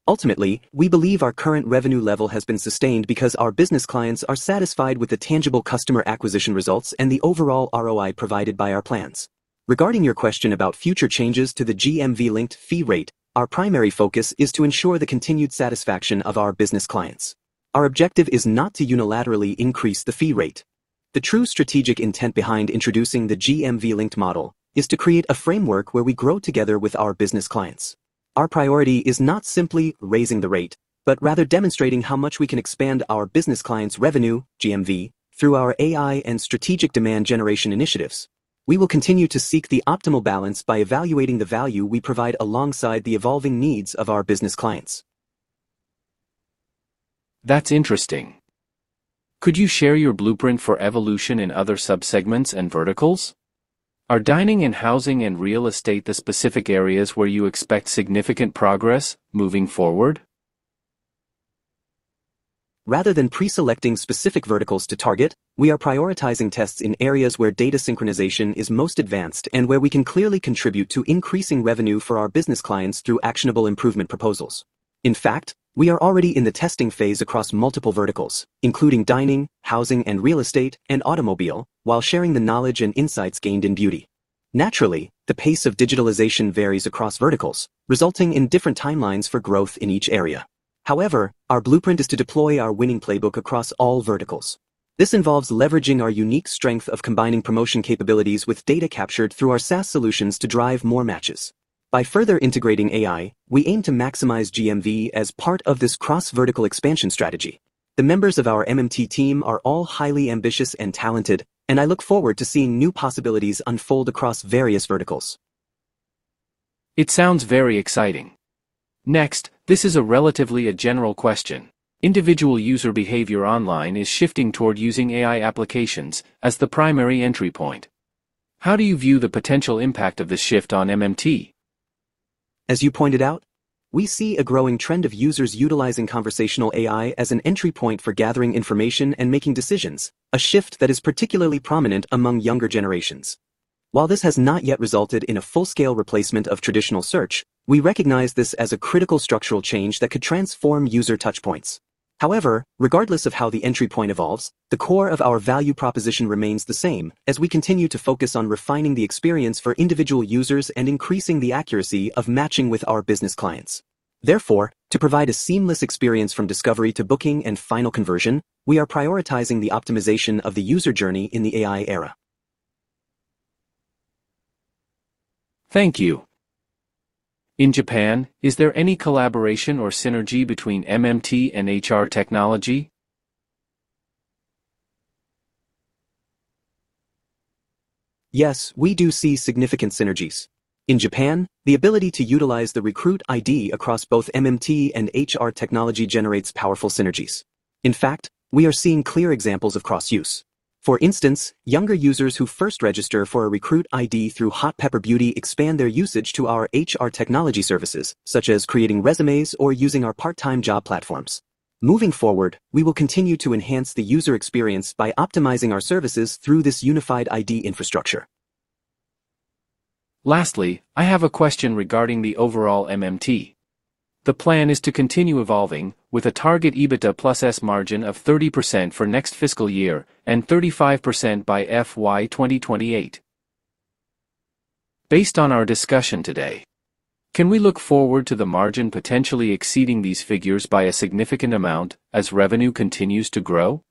average. Ultimately, we believe our current revenue level has been sustained because our business clients are satisfied with the tangible customer acquisition results and the overall ROI provided by our plans. Regarding your question about future changes to the GMV-linked fee rate, our primary focus is to ensure the continued satisfaction of our business clients. Our objective is not to unilaterally increase the fee rate. The true strategic intent behind introducing the GMV-linked model is to create a framework where we grow together with our business clients. Our priority is not simply "raising the rate," but rather demonstrating how much we can expand our business clients' revenue (GMV) through our AI and strategic demand generation initiatives. We will continue to seek the optimal balance by evaluating the value we provide alongside the evolving needs of our business clients. That's interesting. Could you share your blueprint for evolution in other subsegments and verticals? Are dining and housing and real estate the specific areas where you expect significant progress moving forward? Rather than preselecting specific verticals to target, we are prioritizing tests in areas where data synchronization is most advanced and where we can clearly contribute to increasing revenue for our business clients through actionable improvement proposals. In fact, we are already in the testing phase across multiple verticals, including dining, housing and real estate, and automobile, while sharing the knowledge and insights gained in beauty. Naturally, the pace of digitalization varies across verticals, resulting in different timelines for growth in each area. However, our blueprint is to deploy our winning playbook across all verticals. This involves leveraging our unique strength of combining promotion capabilities with data captured through our SaaS solutions to drive more matches. By further integrating AI, we aim to maximize GMV as part of this cross-vertical expansion strategy. The members of our MMT team are all highly ambitious and talented, and I look forward to seeing new possibilities unfold across various verticals. It sounds very exciting. Next, this is a relatively general question: individual user behavior online is shifting toward using AI applications as the primary entry point. How do you view the potential impact of this shift on MMT? As you pointed out, we see a growing trend of users utilizing conversational AI as an entry point for gathering information and making decisions, a shift that is particularly prominent among younger generations. While this has not yet resulted in a full-scale replacement of traditional search, we recognize this as a critical structural change that could transform user touchpoints. However, regardless of how the entry point evolves, the core of our value proposition remains the same, as we continue to focus on refining the experience for individual users and increasing the accuracy of matching with our business clients. Therefore, to provide a seamless experience from discovery to booking and final conversion, we are prioritizing the optimization of the user journey in the AI era. Thank you. In Japan, is there any collaboration or synergy between MMT and HR technology? Yes, we do see significant synergies. In Japan, the ability to utilize the Recruit ID across both MMT and HR technology generates powerful synergies. In fact, we are seeing clear examples of cross-use. For instance, younger users who first register for a Recruit ID through Hot Pepper Beauty expand their usage to our HR technology services, such as creating resumes or using our part-time job platforms. Moving forward, we will continue to enhance the user experience by optimizing our services through this unified ID infrastructure. Lastly, I have a question regarding the overall MMT. The plan is to continue evolving, with a target EBITDA+S margin of 30% for next fiscal year and 35% by FY2028. Based on our discussion today, can we look forward to the margin potentially exceeding these figures by a significant amount as revenue continues to grow?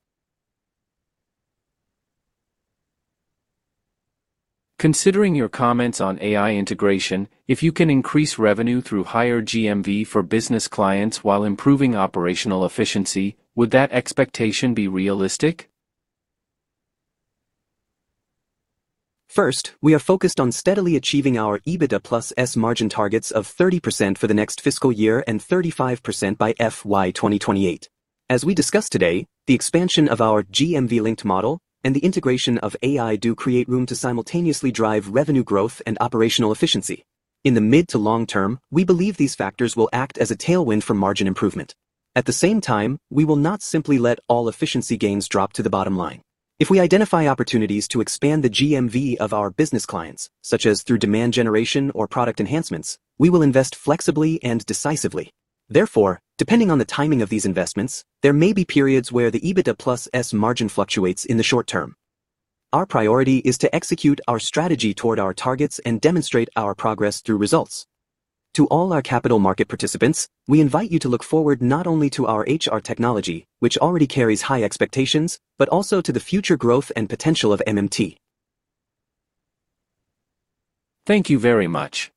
Considering your comments on AI integration, if you can increase revenue through higher GMV for business clients while improving operational efficiency, would that expectation be realistic? First, we are focused on steadily achieving our EBITDA+S margin targets of 30% for the next fiscal year and 35% by FY2028. As we discussed today, the expansion of our GMV-linked model and the integration of AI do create room to simultaneously drive revenue growth and operational efficiency. In the mid to long term, we believe these factors will act as a tailwind for margin improvement. At the same time, we will not simply let all efficiency gains drop to the bottom line. If we identify opportunities to expand the GMV of our business clients, such as through demand generation or product enhancements, we will invest flexibly and decisively. Therefore, depending on the timing of these investments, there may be periods where the EBITDA+S margin fluctuates in the short term. Our priority is to execute our strategy toward our targets and demonstrate our progress through results. To all our capital market participants, we invite you to look forward not only to our HR Technology, which already carries high expectations, but also to the future growth and potential of MMT. Thank you very much.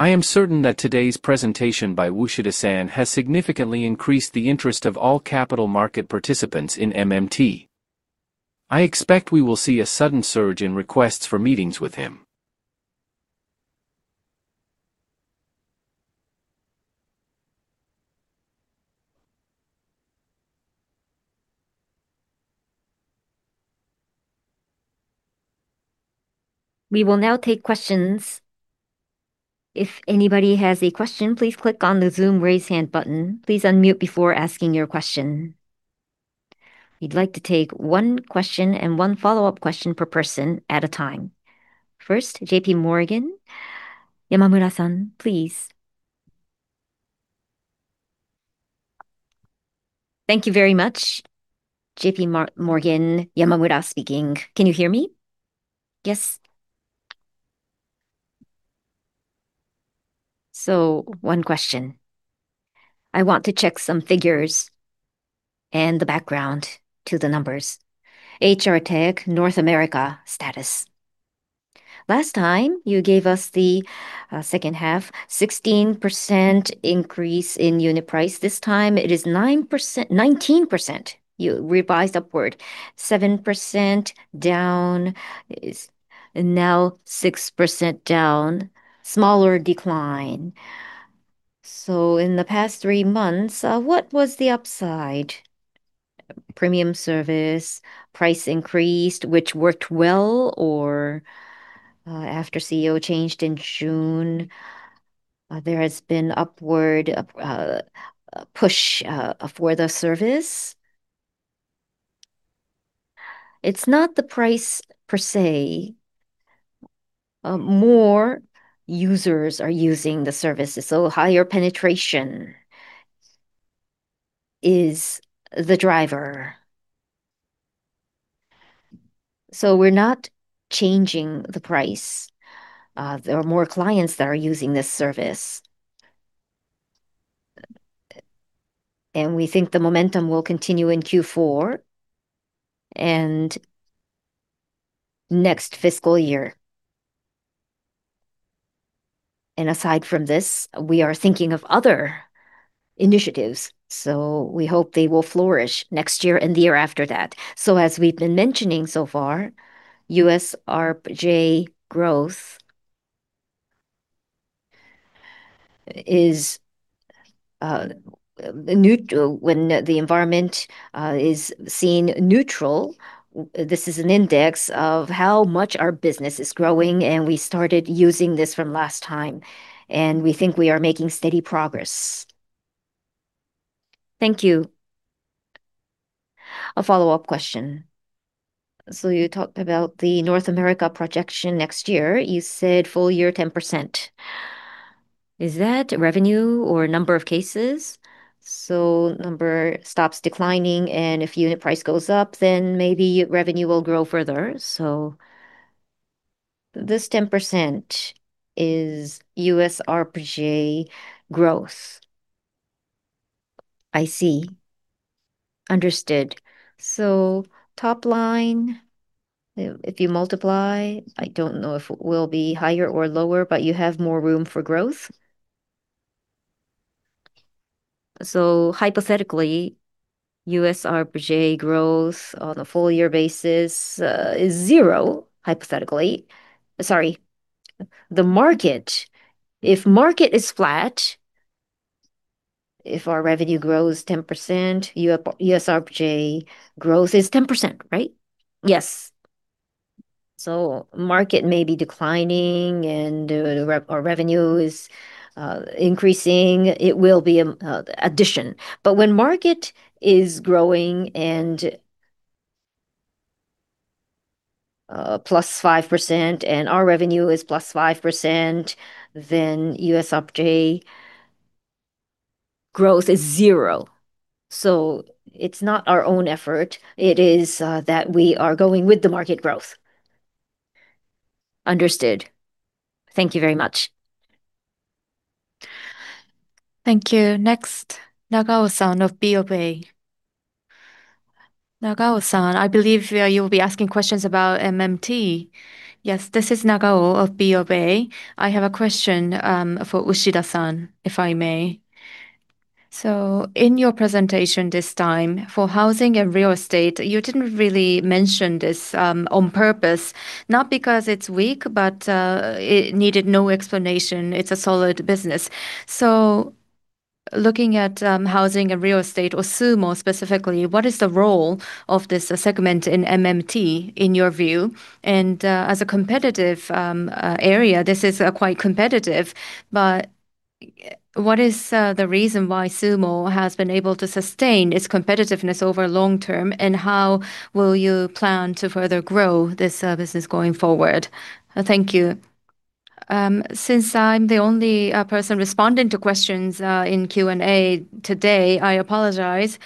I am certain that today's presentation by Ushida-san has significantly increased the interest of all capital market participants in MMT. I expect we will see a sudden surge in requests for meetings with him. We will now take questions. If anybody has a question, please click on the Zoom raise hand button. Please unmute before asking your question. We'd like to take one question and one follow-up question per person at a time. First, JP Morgan. Yamamura-san, please. Thank you very much. JP Morgan Yamamura speaking. Can you hear me? Yes. So, one question. I want to check some figures and the background to the numbers. HR Tech North America status. Last time you gave us the second half, 16% increase in unit price. This time it is 9%-19%, you revised upward. 7% down, now 6% down. Smaller decline. So, in the past three months, what was the upside? Premium service, price increased, which worked well, or after CEO changed in June, there has been upward push for the service? It's not the price per se. More users are using the services, so higher penetration is the driver. So, we're not changing the price. There are more clients that are using this service. And we think the momentum will continue in Q4 and next fiscal year. And aside from this, we are thinking of other initiatives, so we hope they will flourish next year and the year after that. So, as we've been mentioning so far, U.S. RPJ growth is neutral. When the environment is seen neutral, this is an index of how much our business is growing, and we started using this from last time. We think we are making steady progress. Thank you. A follow-up question. So, you talked about the North America projection next year. You said full year 10%. Is that revenue or number of cases? So, number stops declining, and if unit price goes up, then maybe revenue will grow further, so. This 10% is U.S. RPJ growth. I see. Understood. So, top line, if you multiply, I don't know if it will be higher or lower, but you have more room for growth. So, hypothetically, U.S. RPJ growth on a full year basis is zero, hypothetically. Sorry. The market, if market is flat, if our revenue grows 10%, U.S. RPJ growth is 10%, right? Yes. So, market may be declining and revenue is increasing, it will be an addition. But when market is growing and +5% and our revenue is +5%, then US RPJ growth is zero. So, it's not our own effort. It is that we are going with the market growth. Understood. Thank you very much. Thank you. Next, Nagao-san of BOA. Nagao-san, I believe you'll be asking questions about MMT. Yes, this is Nagao of BOA. I have a question for Ushida-san, if I may. So, in your presentation this time, for housing and real estate, you didn't really mention this on purpose. Not because it's weak, but it needed no explanation. It's a solid business. So, looking at housing and real estate, or SUUMO specifically, what is the role of this segment in MMT, in your view? As a competitive area, this is quite competitive, but what is the reason why SUUMO has been able to sustain its competitiveness over long term, and how will you plan to further grow this business going forward? Thank you. Since I'm the only person responding to questions in Q&A today, I apologize.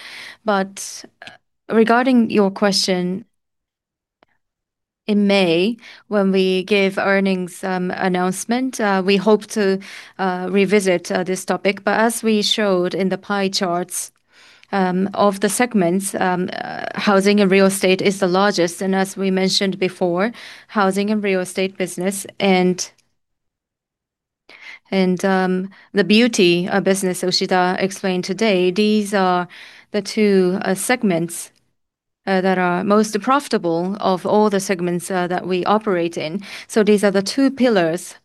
Regarding your question, in May, when we give earnings announcement, we hope to revisit this topic. As we showed in the pie charts of the segments, housing and real estate is the largest, and as we mentioned before, housing and real estate business. The beauty business Ushida explained today, these are the two segments that are most profitable of all the segments that we operate in. So, these are the two pillars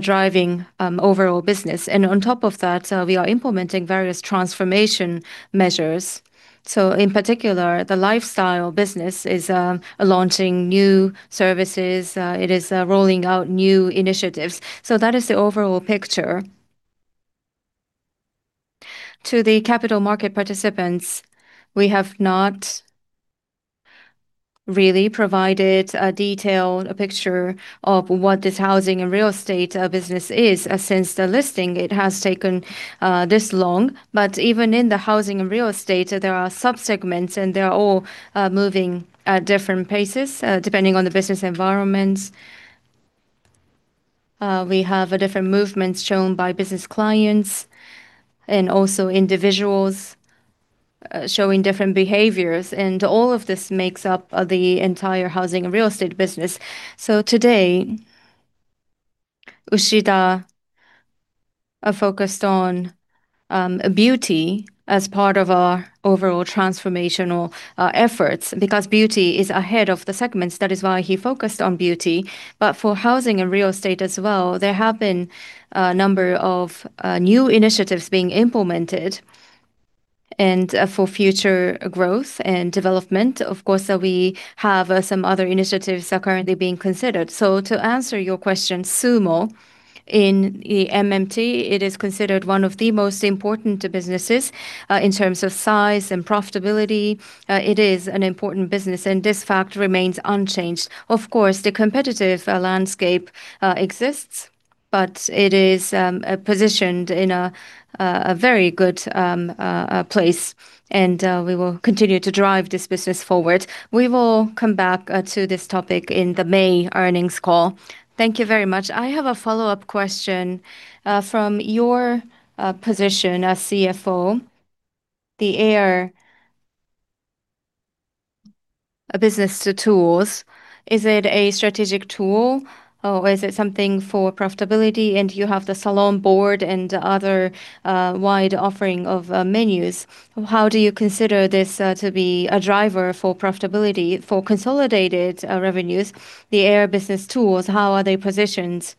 driving overall business. On top of that, we are implementing various transformation measures. In particular, the lifestyle business is launching new services. It is rolling out new initiatives. That is the overall picture. To the capital market participants, we have not really provided a detailed picture of what this housing and real estate business is. Since the listing, it has taken this long. But even in the housing and real estate, there are subsegments, and they are all moving at different paces depending on the business environments. We have different movements shown by business clients and also individuals showing different behaviors. All of this makes up the entire housing and real estate business. Today, Ushida focused on beauty as part of our overall transformational efforts. Because beauty is ahead of the segments, that is why he focused on beauty. But for housing and real estate as well, there have been a number of new initiatives being implemented for future growth and development. Of course, we have some other initiatives currently being considered. So, to answer your question, SUUMO, in the MMT, it is considered one of the most important businesses in terms of size and profitability. It is an important business, and this fact remains unchanged. Of course, the competitive landscape exists, but it is positioned in a very good place. And we will continue to drive this business forward. We will come back to this topic in the May earnings call. Thank you very much. I have a follow-up question from your position as CFO. The Air BusinessTools, is it a strategic tool or is it something for profitability? And you have the SALON BOARD and other wide offering of menus. How do you consider this to be a driver for profitability for consolidated revenues? The Air Business Tools, how are they positioned?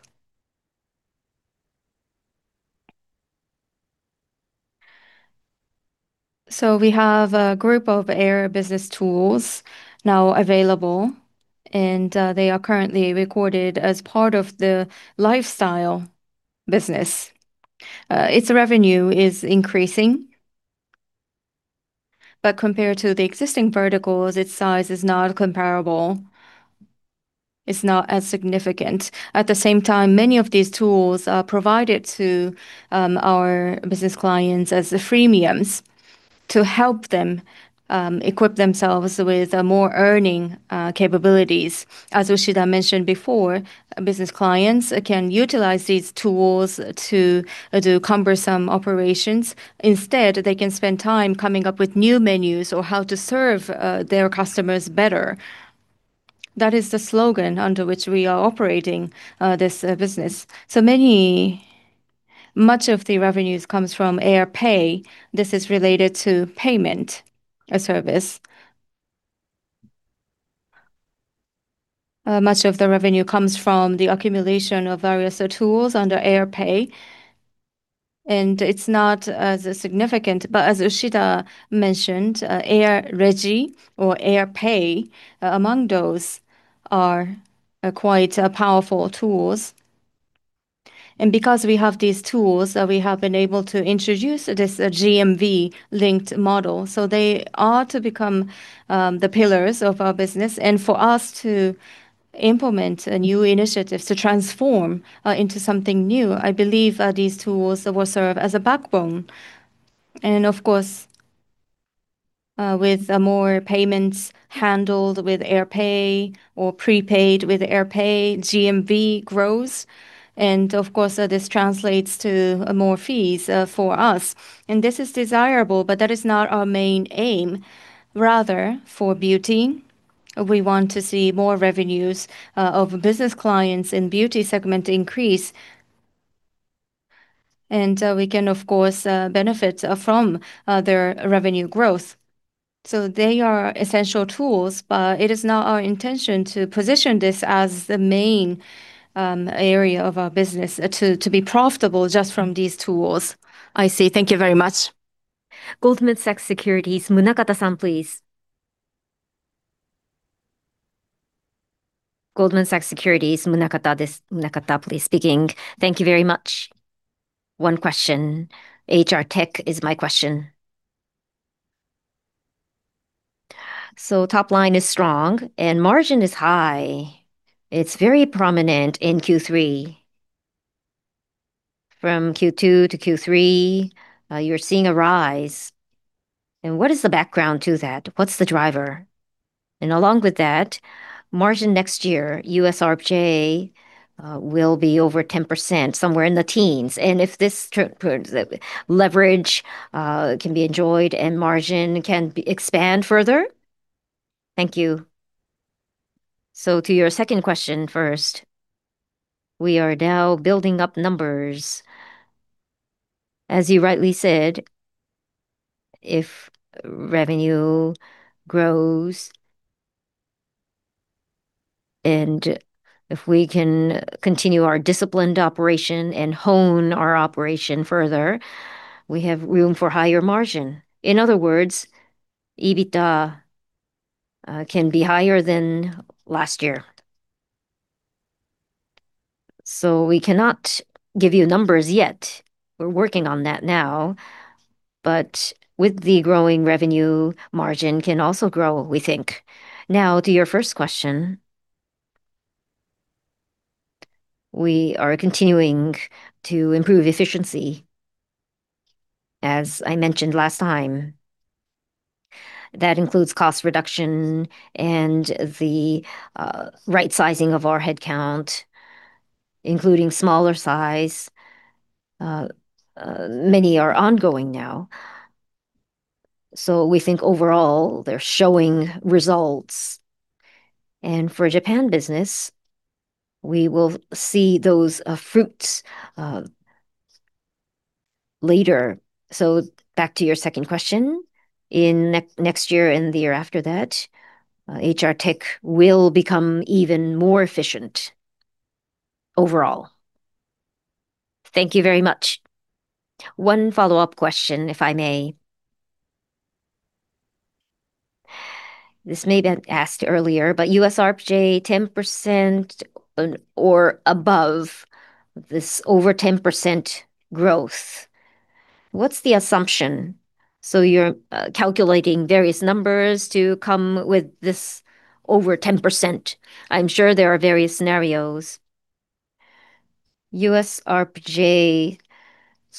So, we have a group of Air Business Tools now available, and they are currently recorded as part of the lifestyle business. Its revenue is increasing. But compared to the existing verticals, its size is not comparable. It's not as significant. At the same time, many of these tools are provided to our business clients as freemiums to help them equip themselves with more earning capabilities. As Ushida mentioned before, business clients can utilize these tools to do cumbersome operations. Instead, they can spend time coming up with new menus or how to serve their customers better. That is the slogan under which we are operating this business. So, much of the revenues comes from Airpay. This is related to payment service. Much of the revenue comes from the accumulation of various tools under Airpay. It's not as significant. As Ushida mentioned, AirREGI or Airpay, among those, are quite powerful tools. Because we have these tools, we have been able to introduce this GMV-linked model. They are to become the pillars of our business. For us to implement new initiatives, to transform into something new, I believe these tools will serve as a backbone. Of course, with more payments handled with Airpayy or prepaid with Airpay, GMV grows. Of course, this translates to more fees for us. This is desirable, but that is not our main aim. Rather, for beauty, we want to see more revenues of business clients in the beauty segment increase. We can, of course, benefit from their revenue growth. So, they are essential tools, but it is not our intention to position this as the main area of our business, to be profitable just from these tools. I see. Thank you very much. Goldman Sachs Securities, Munakata-san, please. Goldman Sachs Securities, Munakata-san, please speaking. Thank you very much. One question. HR Tech is my question. So, top line is strong and margin is high. It's very prominent in Q3. From Q2 to Q3, you're seeing a rise. And what is the background to that? What's the driver? And along with that, margin next year, U.S. RPJ will be over 10%, somewhere in the teens. And if this leverage can be enjoyed and margin can expand further, thank you. So, to your second question first, we are now building up numbers. As you rightly said, if revenue grows and if we can continue our disciplined operation and hone our operation further, we have room for higher margin. In other words, EBITDA can be higher than last year. So, we cannot give you numbers yet. We're working on that now. But with the growing revenue, margin can also grow, we think. Now, to your first question, we are continuing to improve efficiency. As I mentioned last time, that includes cost reduction and the right-sizing of our headcount, including smaller size. Many are ongoing now. So, we think overall they're showing results. And for Japan business, we will see those fruits later. So, back to your second question. Next year and the year after that, HR Tech will become even more efficient overall. Thank you very much. One follow-up question, if I may. This may have been asked earlier, but U.S. RPJ 10% or above, this over 10% growth, what's the assumption? So, you're calculating various numbers to come with this over 10%. I'm sure there are various scenarios. U.S. RPJ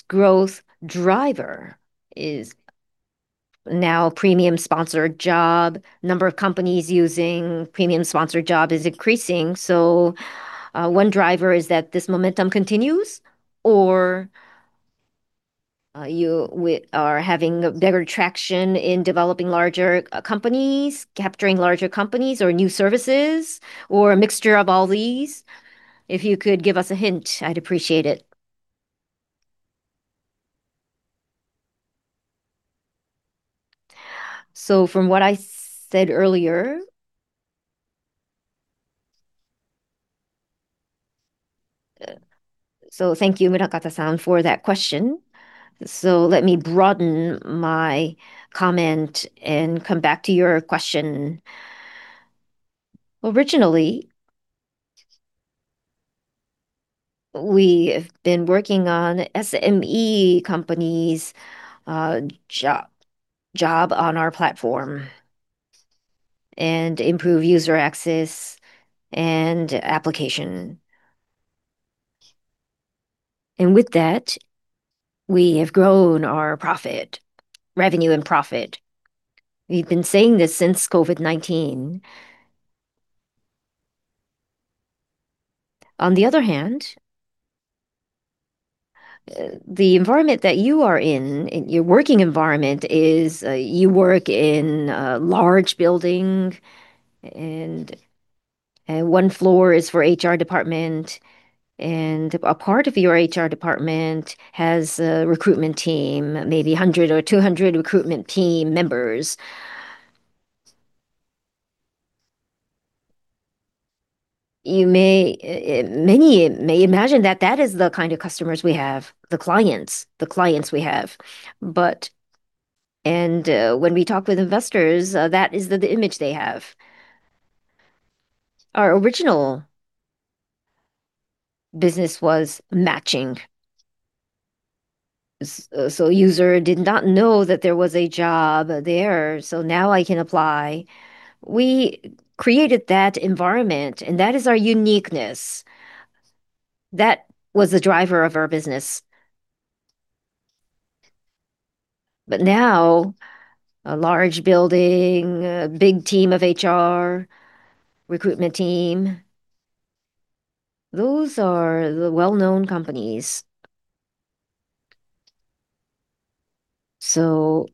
growth driver is now premium sponsor job. Number of companies using premium sponsor job is increasing. So, one driver is that this momentum continues, or you are having better traction in developing larger companies, capturing larger companies, or new services, or a mixture of all these? If you could give us a hint, I'd appreciate it. So, from what I said earlier. So, thank you, Munakata-san, for that question. So, let me broaden my comment and come back to your question. Originally, we have been working on SME companies' job on our platform and improve user access and application. And with that, we have grown our profit, revenue and profit. We've been saying this since COVID-19. On the other hand, the environment that you are in, your working environment, is you work in a large building and one floor is for HR department. And a part of your HR department has a recruitment team, maybe 100 or 200 recruitment team members. Many may imagine that that is the kind of customers we have, the clients, the clients we have. And when we talk with investors, that is the image they have. Our original business was matching. So, the user did not know that there was a job there. So, now I can apply. We created that environment, and that is our uniqueness. That was the driver of our business. But now, a large building, a big team of HR, recruitment team, those are the well-known companies. So,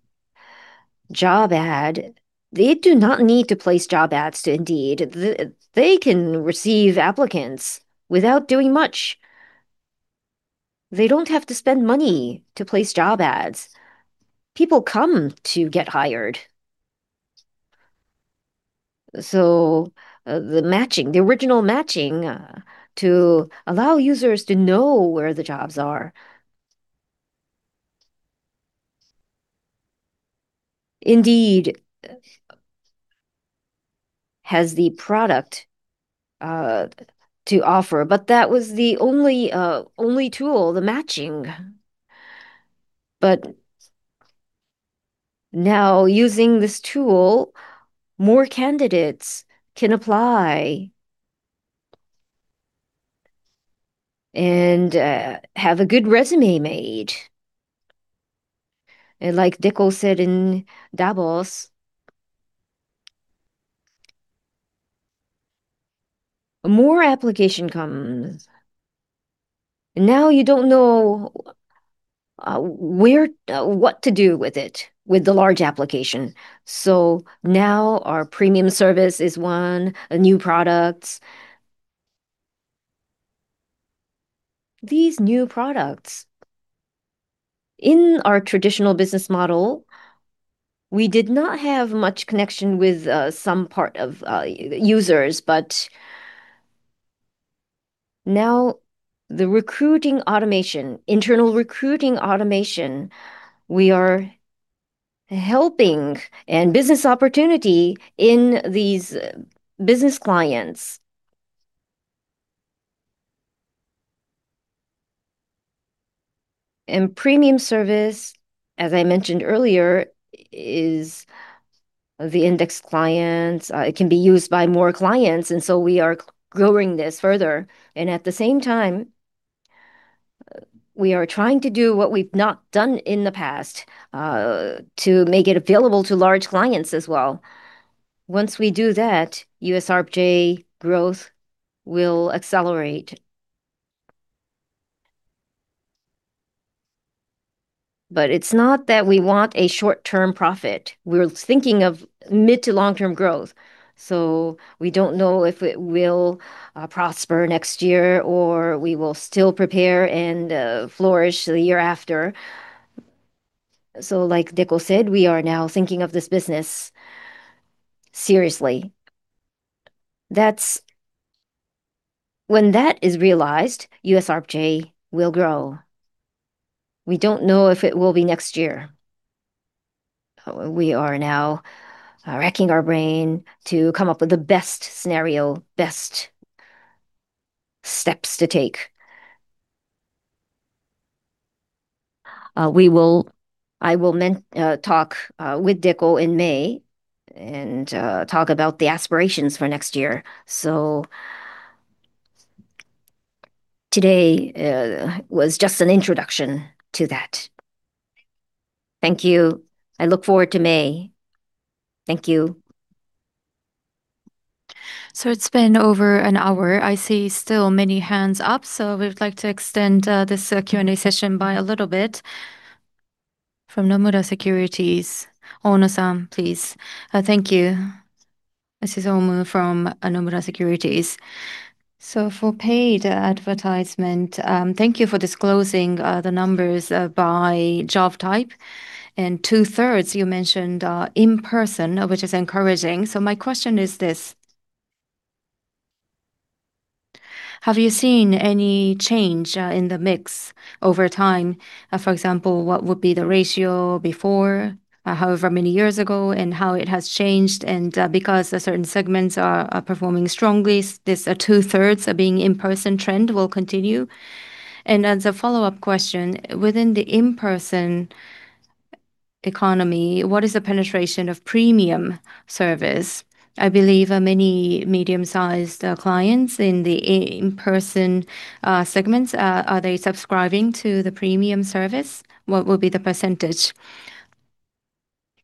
job ad, they do not need to place job ads to Indeed. They can receive applicants without doing much. They don't have to spend money to place job ads. People come to get hired. So, the matching, the original matching to allow users to know where the jobs are. Indeed has the product to offer. But that was the only tool, the matching. But now, using this tool, more candidates can apply and have a good resume made. And like Gudell said in Davos, more application comes. Now you don't know what to do with it, with the large application. So, now our premium service is one, new products. These new products, in our traditional business model, we did not have much connection with some part of users. But now, the recruiting automation, internal recruiting automation, we are helping and business opportunity in these business clients. And premium service, as I mentioned earlier, is the index clients. It can be used by more clients. So we are growing this further. At the same time, we are trying to do what we've not done in the past to make it available to large clients as well. Once we do that, U.S. RPJ growth will accelerate. But it's not that we want a short-term profit. We're thinking of mid- to long-term growth. So, we don't know if it will prosper next year or we will still prepare and flourish the year after. So, like Gudell said, we are now thinking of this business seriously. When that is realized, U.S. RPJ will grow. We don't know if it will be next year. We are now racking our brain to come up with the best scenario, best steps to take. I will talk with Gudell in May and talk about the aspirations for next year. So, today was just an introduction to that. Thank you. I look forward to May. Thank you. So, it's been over an hour. I see still many hands up, so we'd like to extend this Q&A session by a little bit. From Nomura Securities, Oum-san, please. Thank you. This is Oum from Nomura Securities. So, for paid advertisement, thank you for disclosing the numbers by job type. And two-thirds, you mentioned, are in-person, which is encouraging. So, my question is this: Have you seen any change in the mix over time? For example, what would be the ratio before, however many years ago, and how it has changed? And because certain segments are performing strongly, this two-thirds being in-person trend will continue. And as a follow-up question, within the in-person economy, what is the penetration of premium service?I believe many medium-sized clients in the in-person segments, are they subscribing to the premium service? What would be the percentage?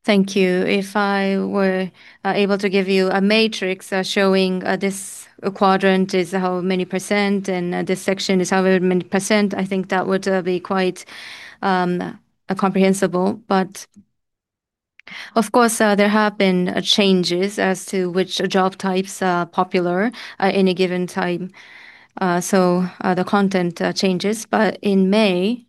Thank you. If I were able to give you a matrix showing this quadrant is how many % and this section is however many %, I think that would be quite comprehensible. But of course, there have been changes as to which job types are popular at any given time. So, the content changes. But in May,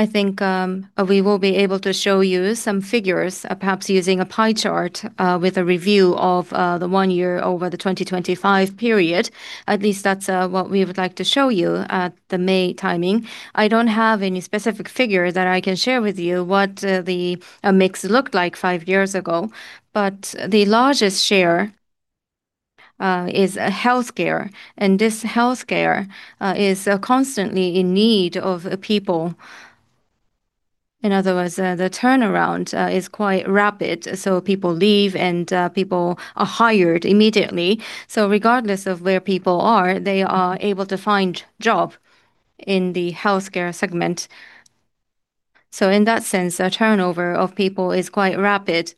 I think we will be able to show you some figures, perhaps using a pie chart with a review of the one year over the 2025 period. At least that's what we would like to show you at the May timing. I don't have any specific figure that I can share with you what the mix looked like five years ago. But the largest share is healthcare. This healthcare is constantly in need of people. In other words, the turnaround is quite rapid. So, people leave and people are hired immediately. So, regardless of where people are, they are able to find jobs in the healthcare segment. So, in that sense, the turnover of people is quite rapid.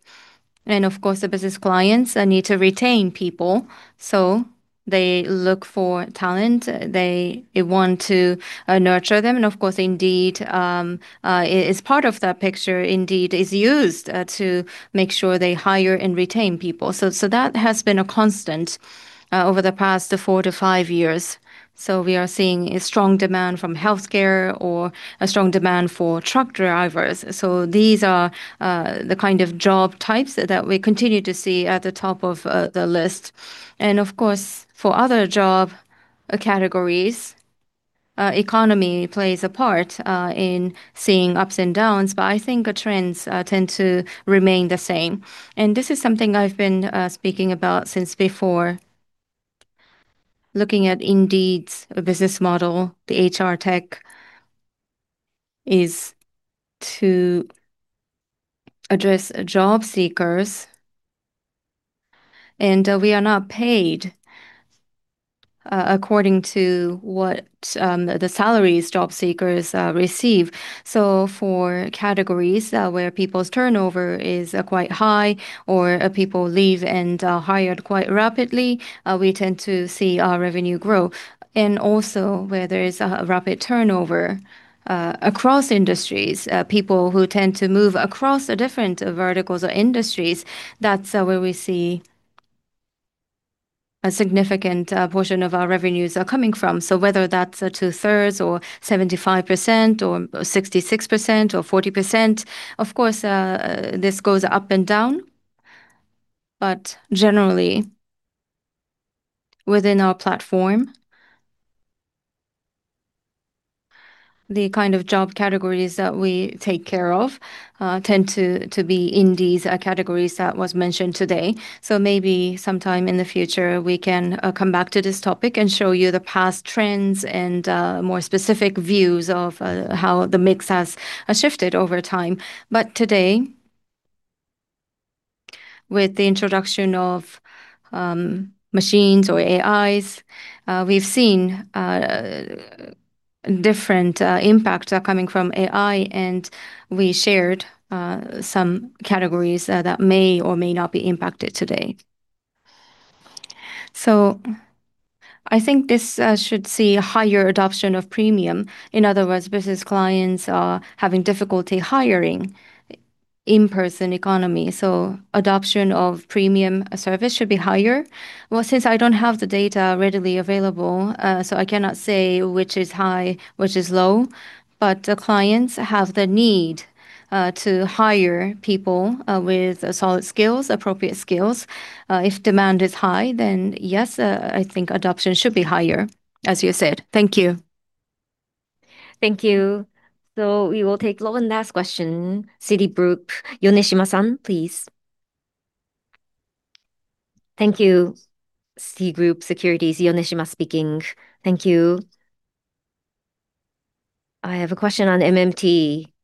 And of course, the business clients need to retain people. So, they look for talent. They want to nurture them. And of course, Indeed, as part of that picture, Indeed is used to make sure they hire and retain people. So, that has been a constant over the past 4-5 years. So, we are seeing a strong demand from healthcare or a strong demand for truck drivers. So, these are the kind of job types that we continue to see at the top of the list. Of course, for other job categories, economy plays a part in seeing ups and downs. I think the trends tend to remain the same. This is something I've been speaking about since before. Looking at Indeed's business model, the HR Tech is to address job seekers. We are not paid according to what the salaries job seekers receive. So, for categories where people's turnover is quite high or people leave and are hired quite rapidly, we tend to see our revenue grow. Also, where there is a rapid turnover across industries, people who tend to move across different verticals or industries, that's where we see a significant portion of our revenues coming from. So, whether that's two-thirds or 75% or 66% or 40%, of course, this goes up and down. But generally, within our platform, the kind of job categories that we take care of tend to be in these categories that were mentioned today. So, maybe sometime in the future, we can come back to this topic and show you the past trends and more specific views of how the mix has shifted over time. But today, with the introduction of machines or AIs, we've seen different impacts coming from AI. And we shared some categories that may or may not be impacted today. So, I think this should see higher adoption of premium. In other words, business clients are having difficulty hiring in-person economy. So, adoption of premium service should be higher. Well, since I don't have the data readily available, so I cannot say which is high, which is low. But the clients have the need to hire people with solid skills, appropriate skills. If demand is high, then yes, I think adoption should be higher, as you said. Thank you. Thank you. So, we will take one last question. Citigroup, Yoneshima-san, please. Thank you. Citigroup Securities, Yoneshima speaking. Thank you. I have a question on MMT.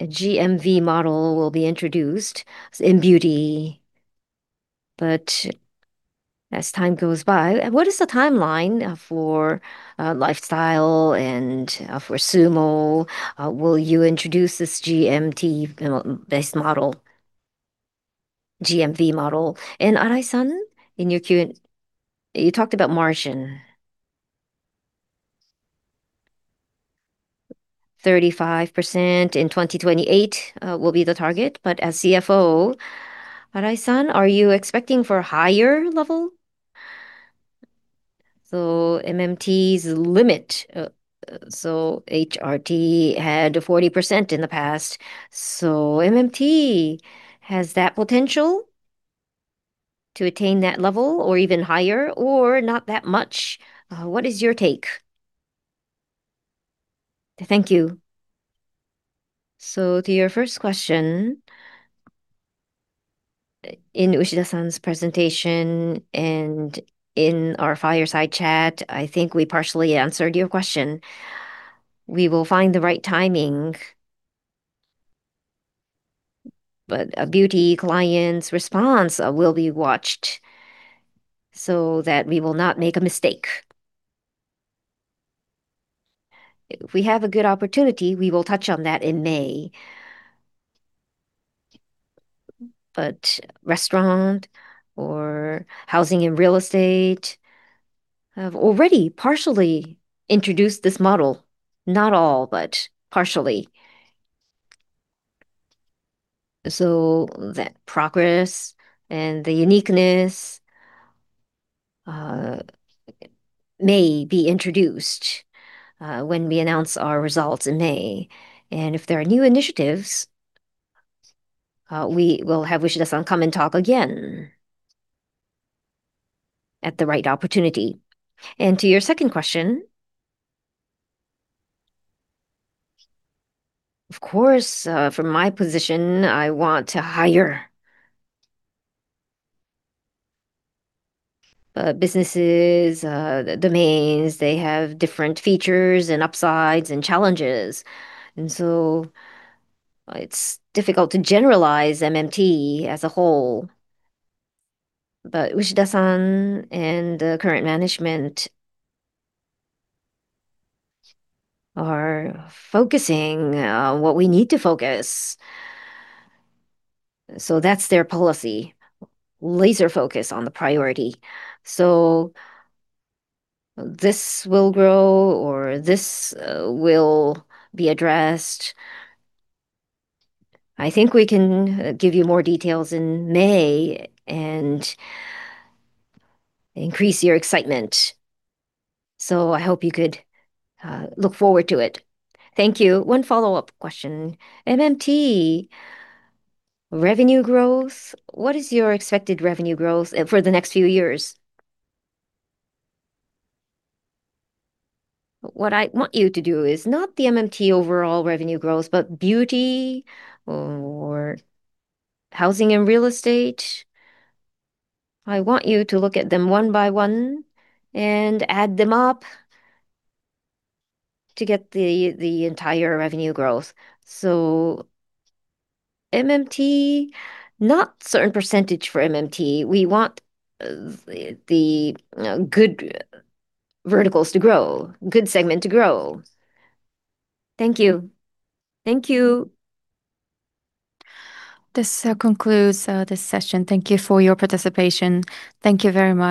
A GMV model will be introduced in beauty. But as time goes by, what is the timeline for lifestyle and for SUUMO? Will you introduce this GMV-based model? GMV model. And Arai-san, in your Q&A, you talked about margin. 35% in 2028 will be the target. But as CFO, Arai-san, are you expecting for a higher level? So, MMT's limit. So, HRT had 40% in the past. So, MMT has that potential to attain that level or even higher or not that much. What is your take? Thank you. So, to your first question, in Ushida-san's presentation and in our Fireside chat, I think we partially answered your question. We will find the right timing. But a beauty client's response will be watched so that we will not make a mistake. If we have a good opportunity, we will touch on that in May. But restaurant or housing and real estate have already partially introduced this model. Not all, but partially. So, that progress and the uniqueness may be introduced when we announce our results in May. And if there are new initiatives, we will have Ushida-san come and talk again at the right opportunity. And to your second question, of course, from my position, I want to hire. Businesses, domains, they have different features and upsides and challenges. And so, it's difficult to generalize MMT as a whole. But Ushida-san and the current management are focusing on what we need to focus. So, that's their policy. Laser focus on the priority. So, this will grow or this will be addressed. I think we can give you more details in May and increase your excitement. So, I hope you could look forward to it. Thank you. One follow-up question. MMT revenue growth, what is your expected revenue growth for the next few years? What I want you to do is not the MMT overall revenue growth, but beauty or housing and real estate. I want you to look at them one by one and add them up to get the entire revenue growth. So, MMT, not certain percentage for MMT. We want the good verticals to grow, good segment to grow. Thank you. Thank you. This concludes this session. Thank you for your participation. Thank you very much.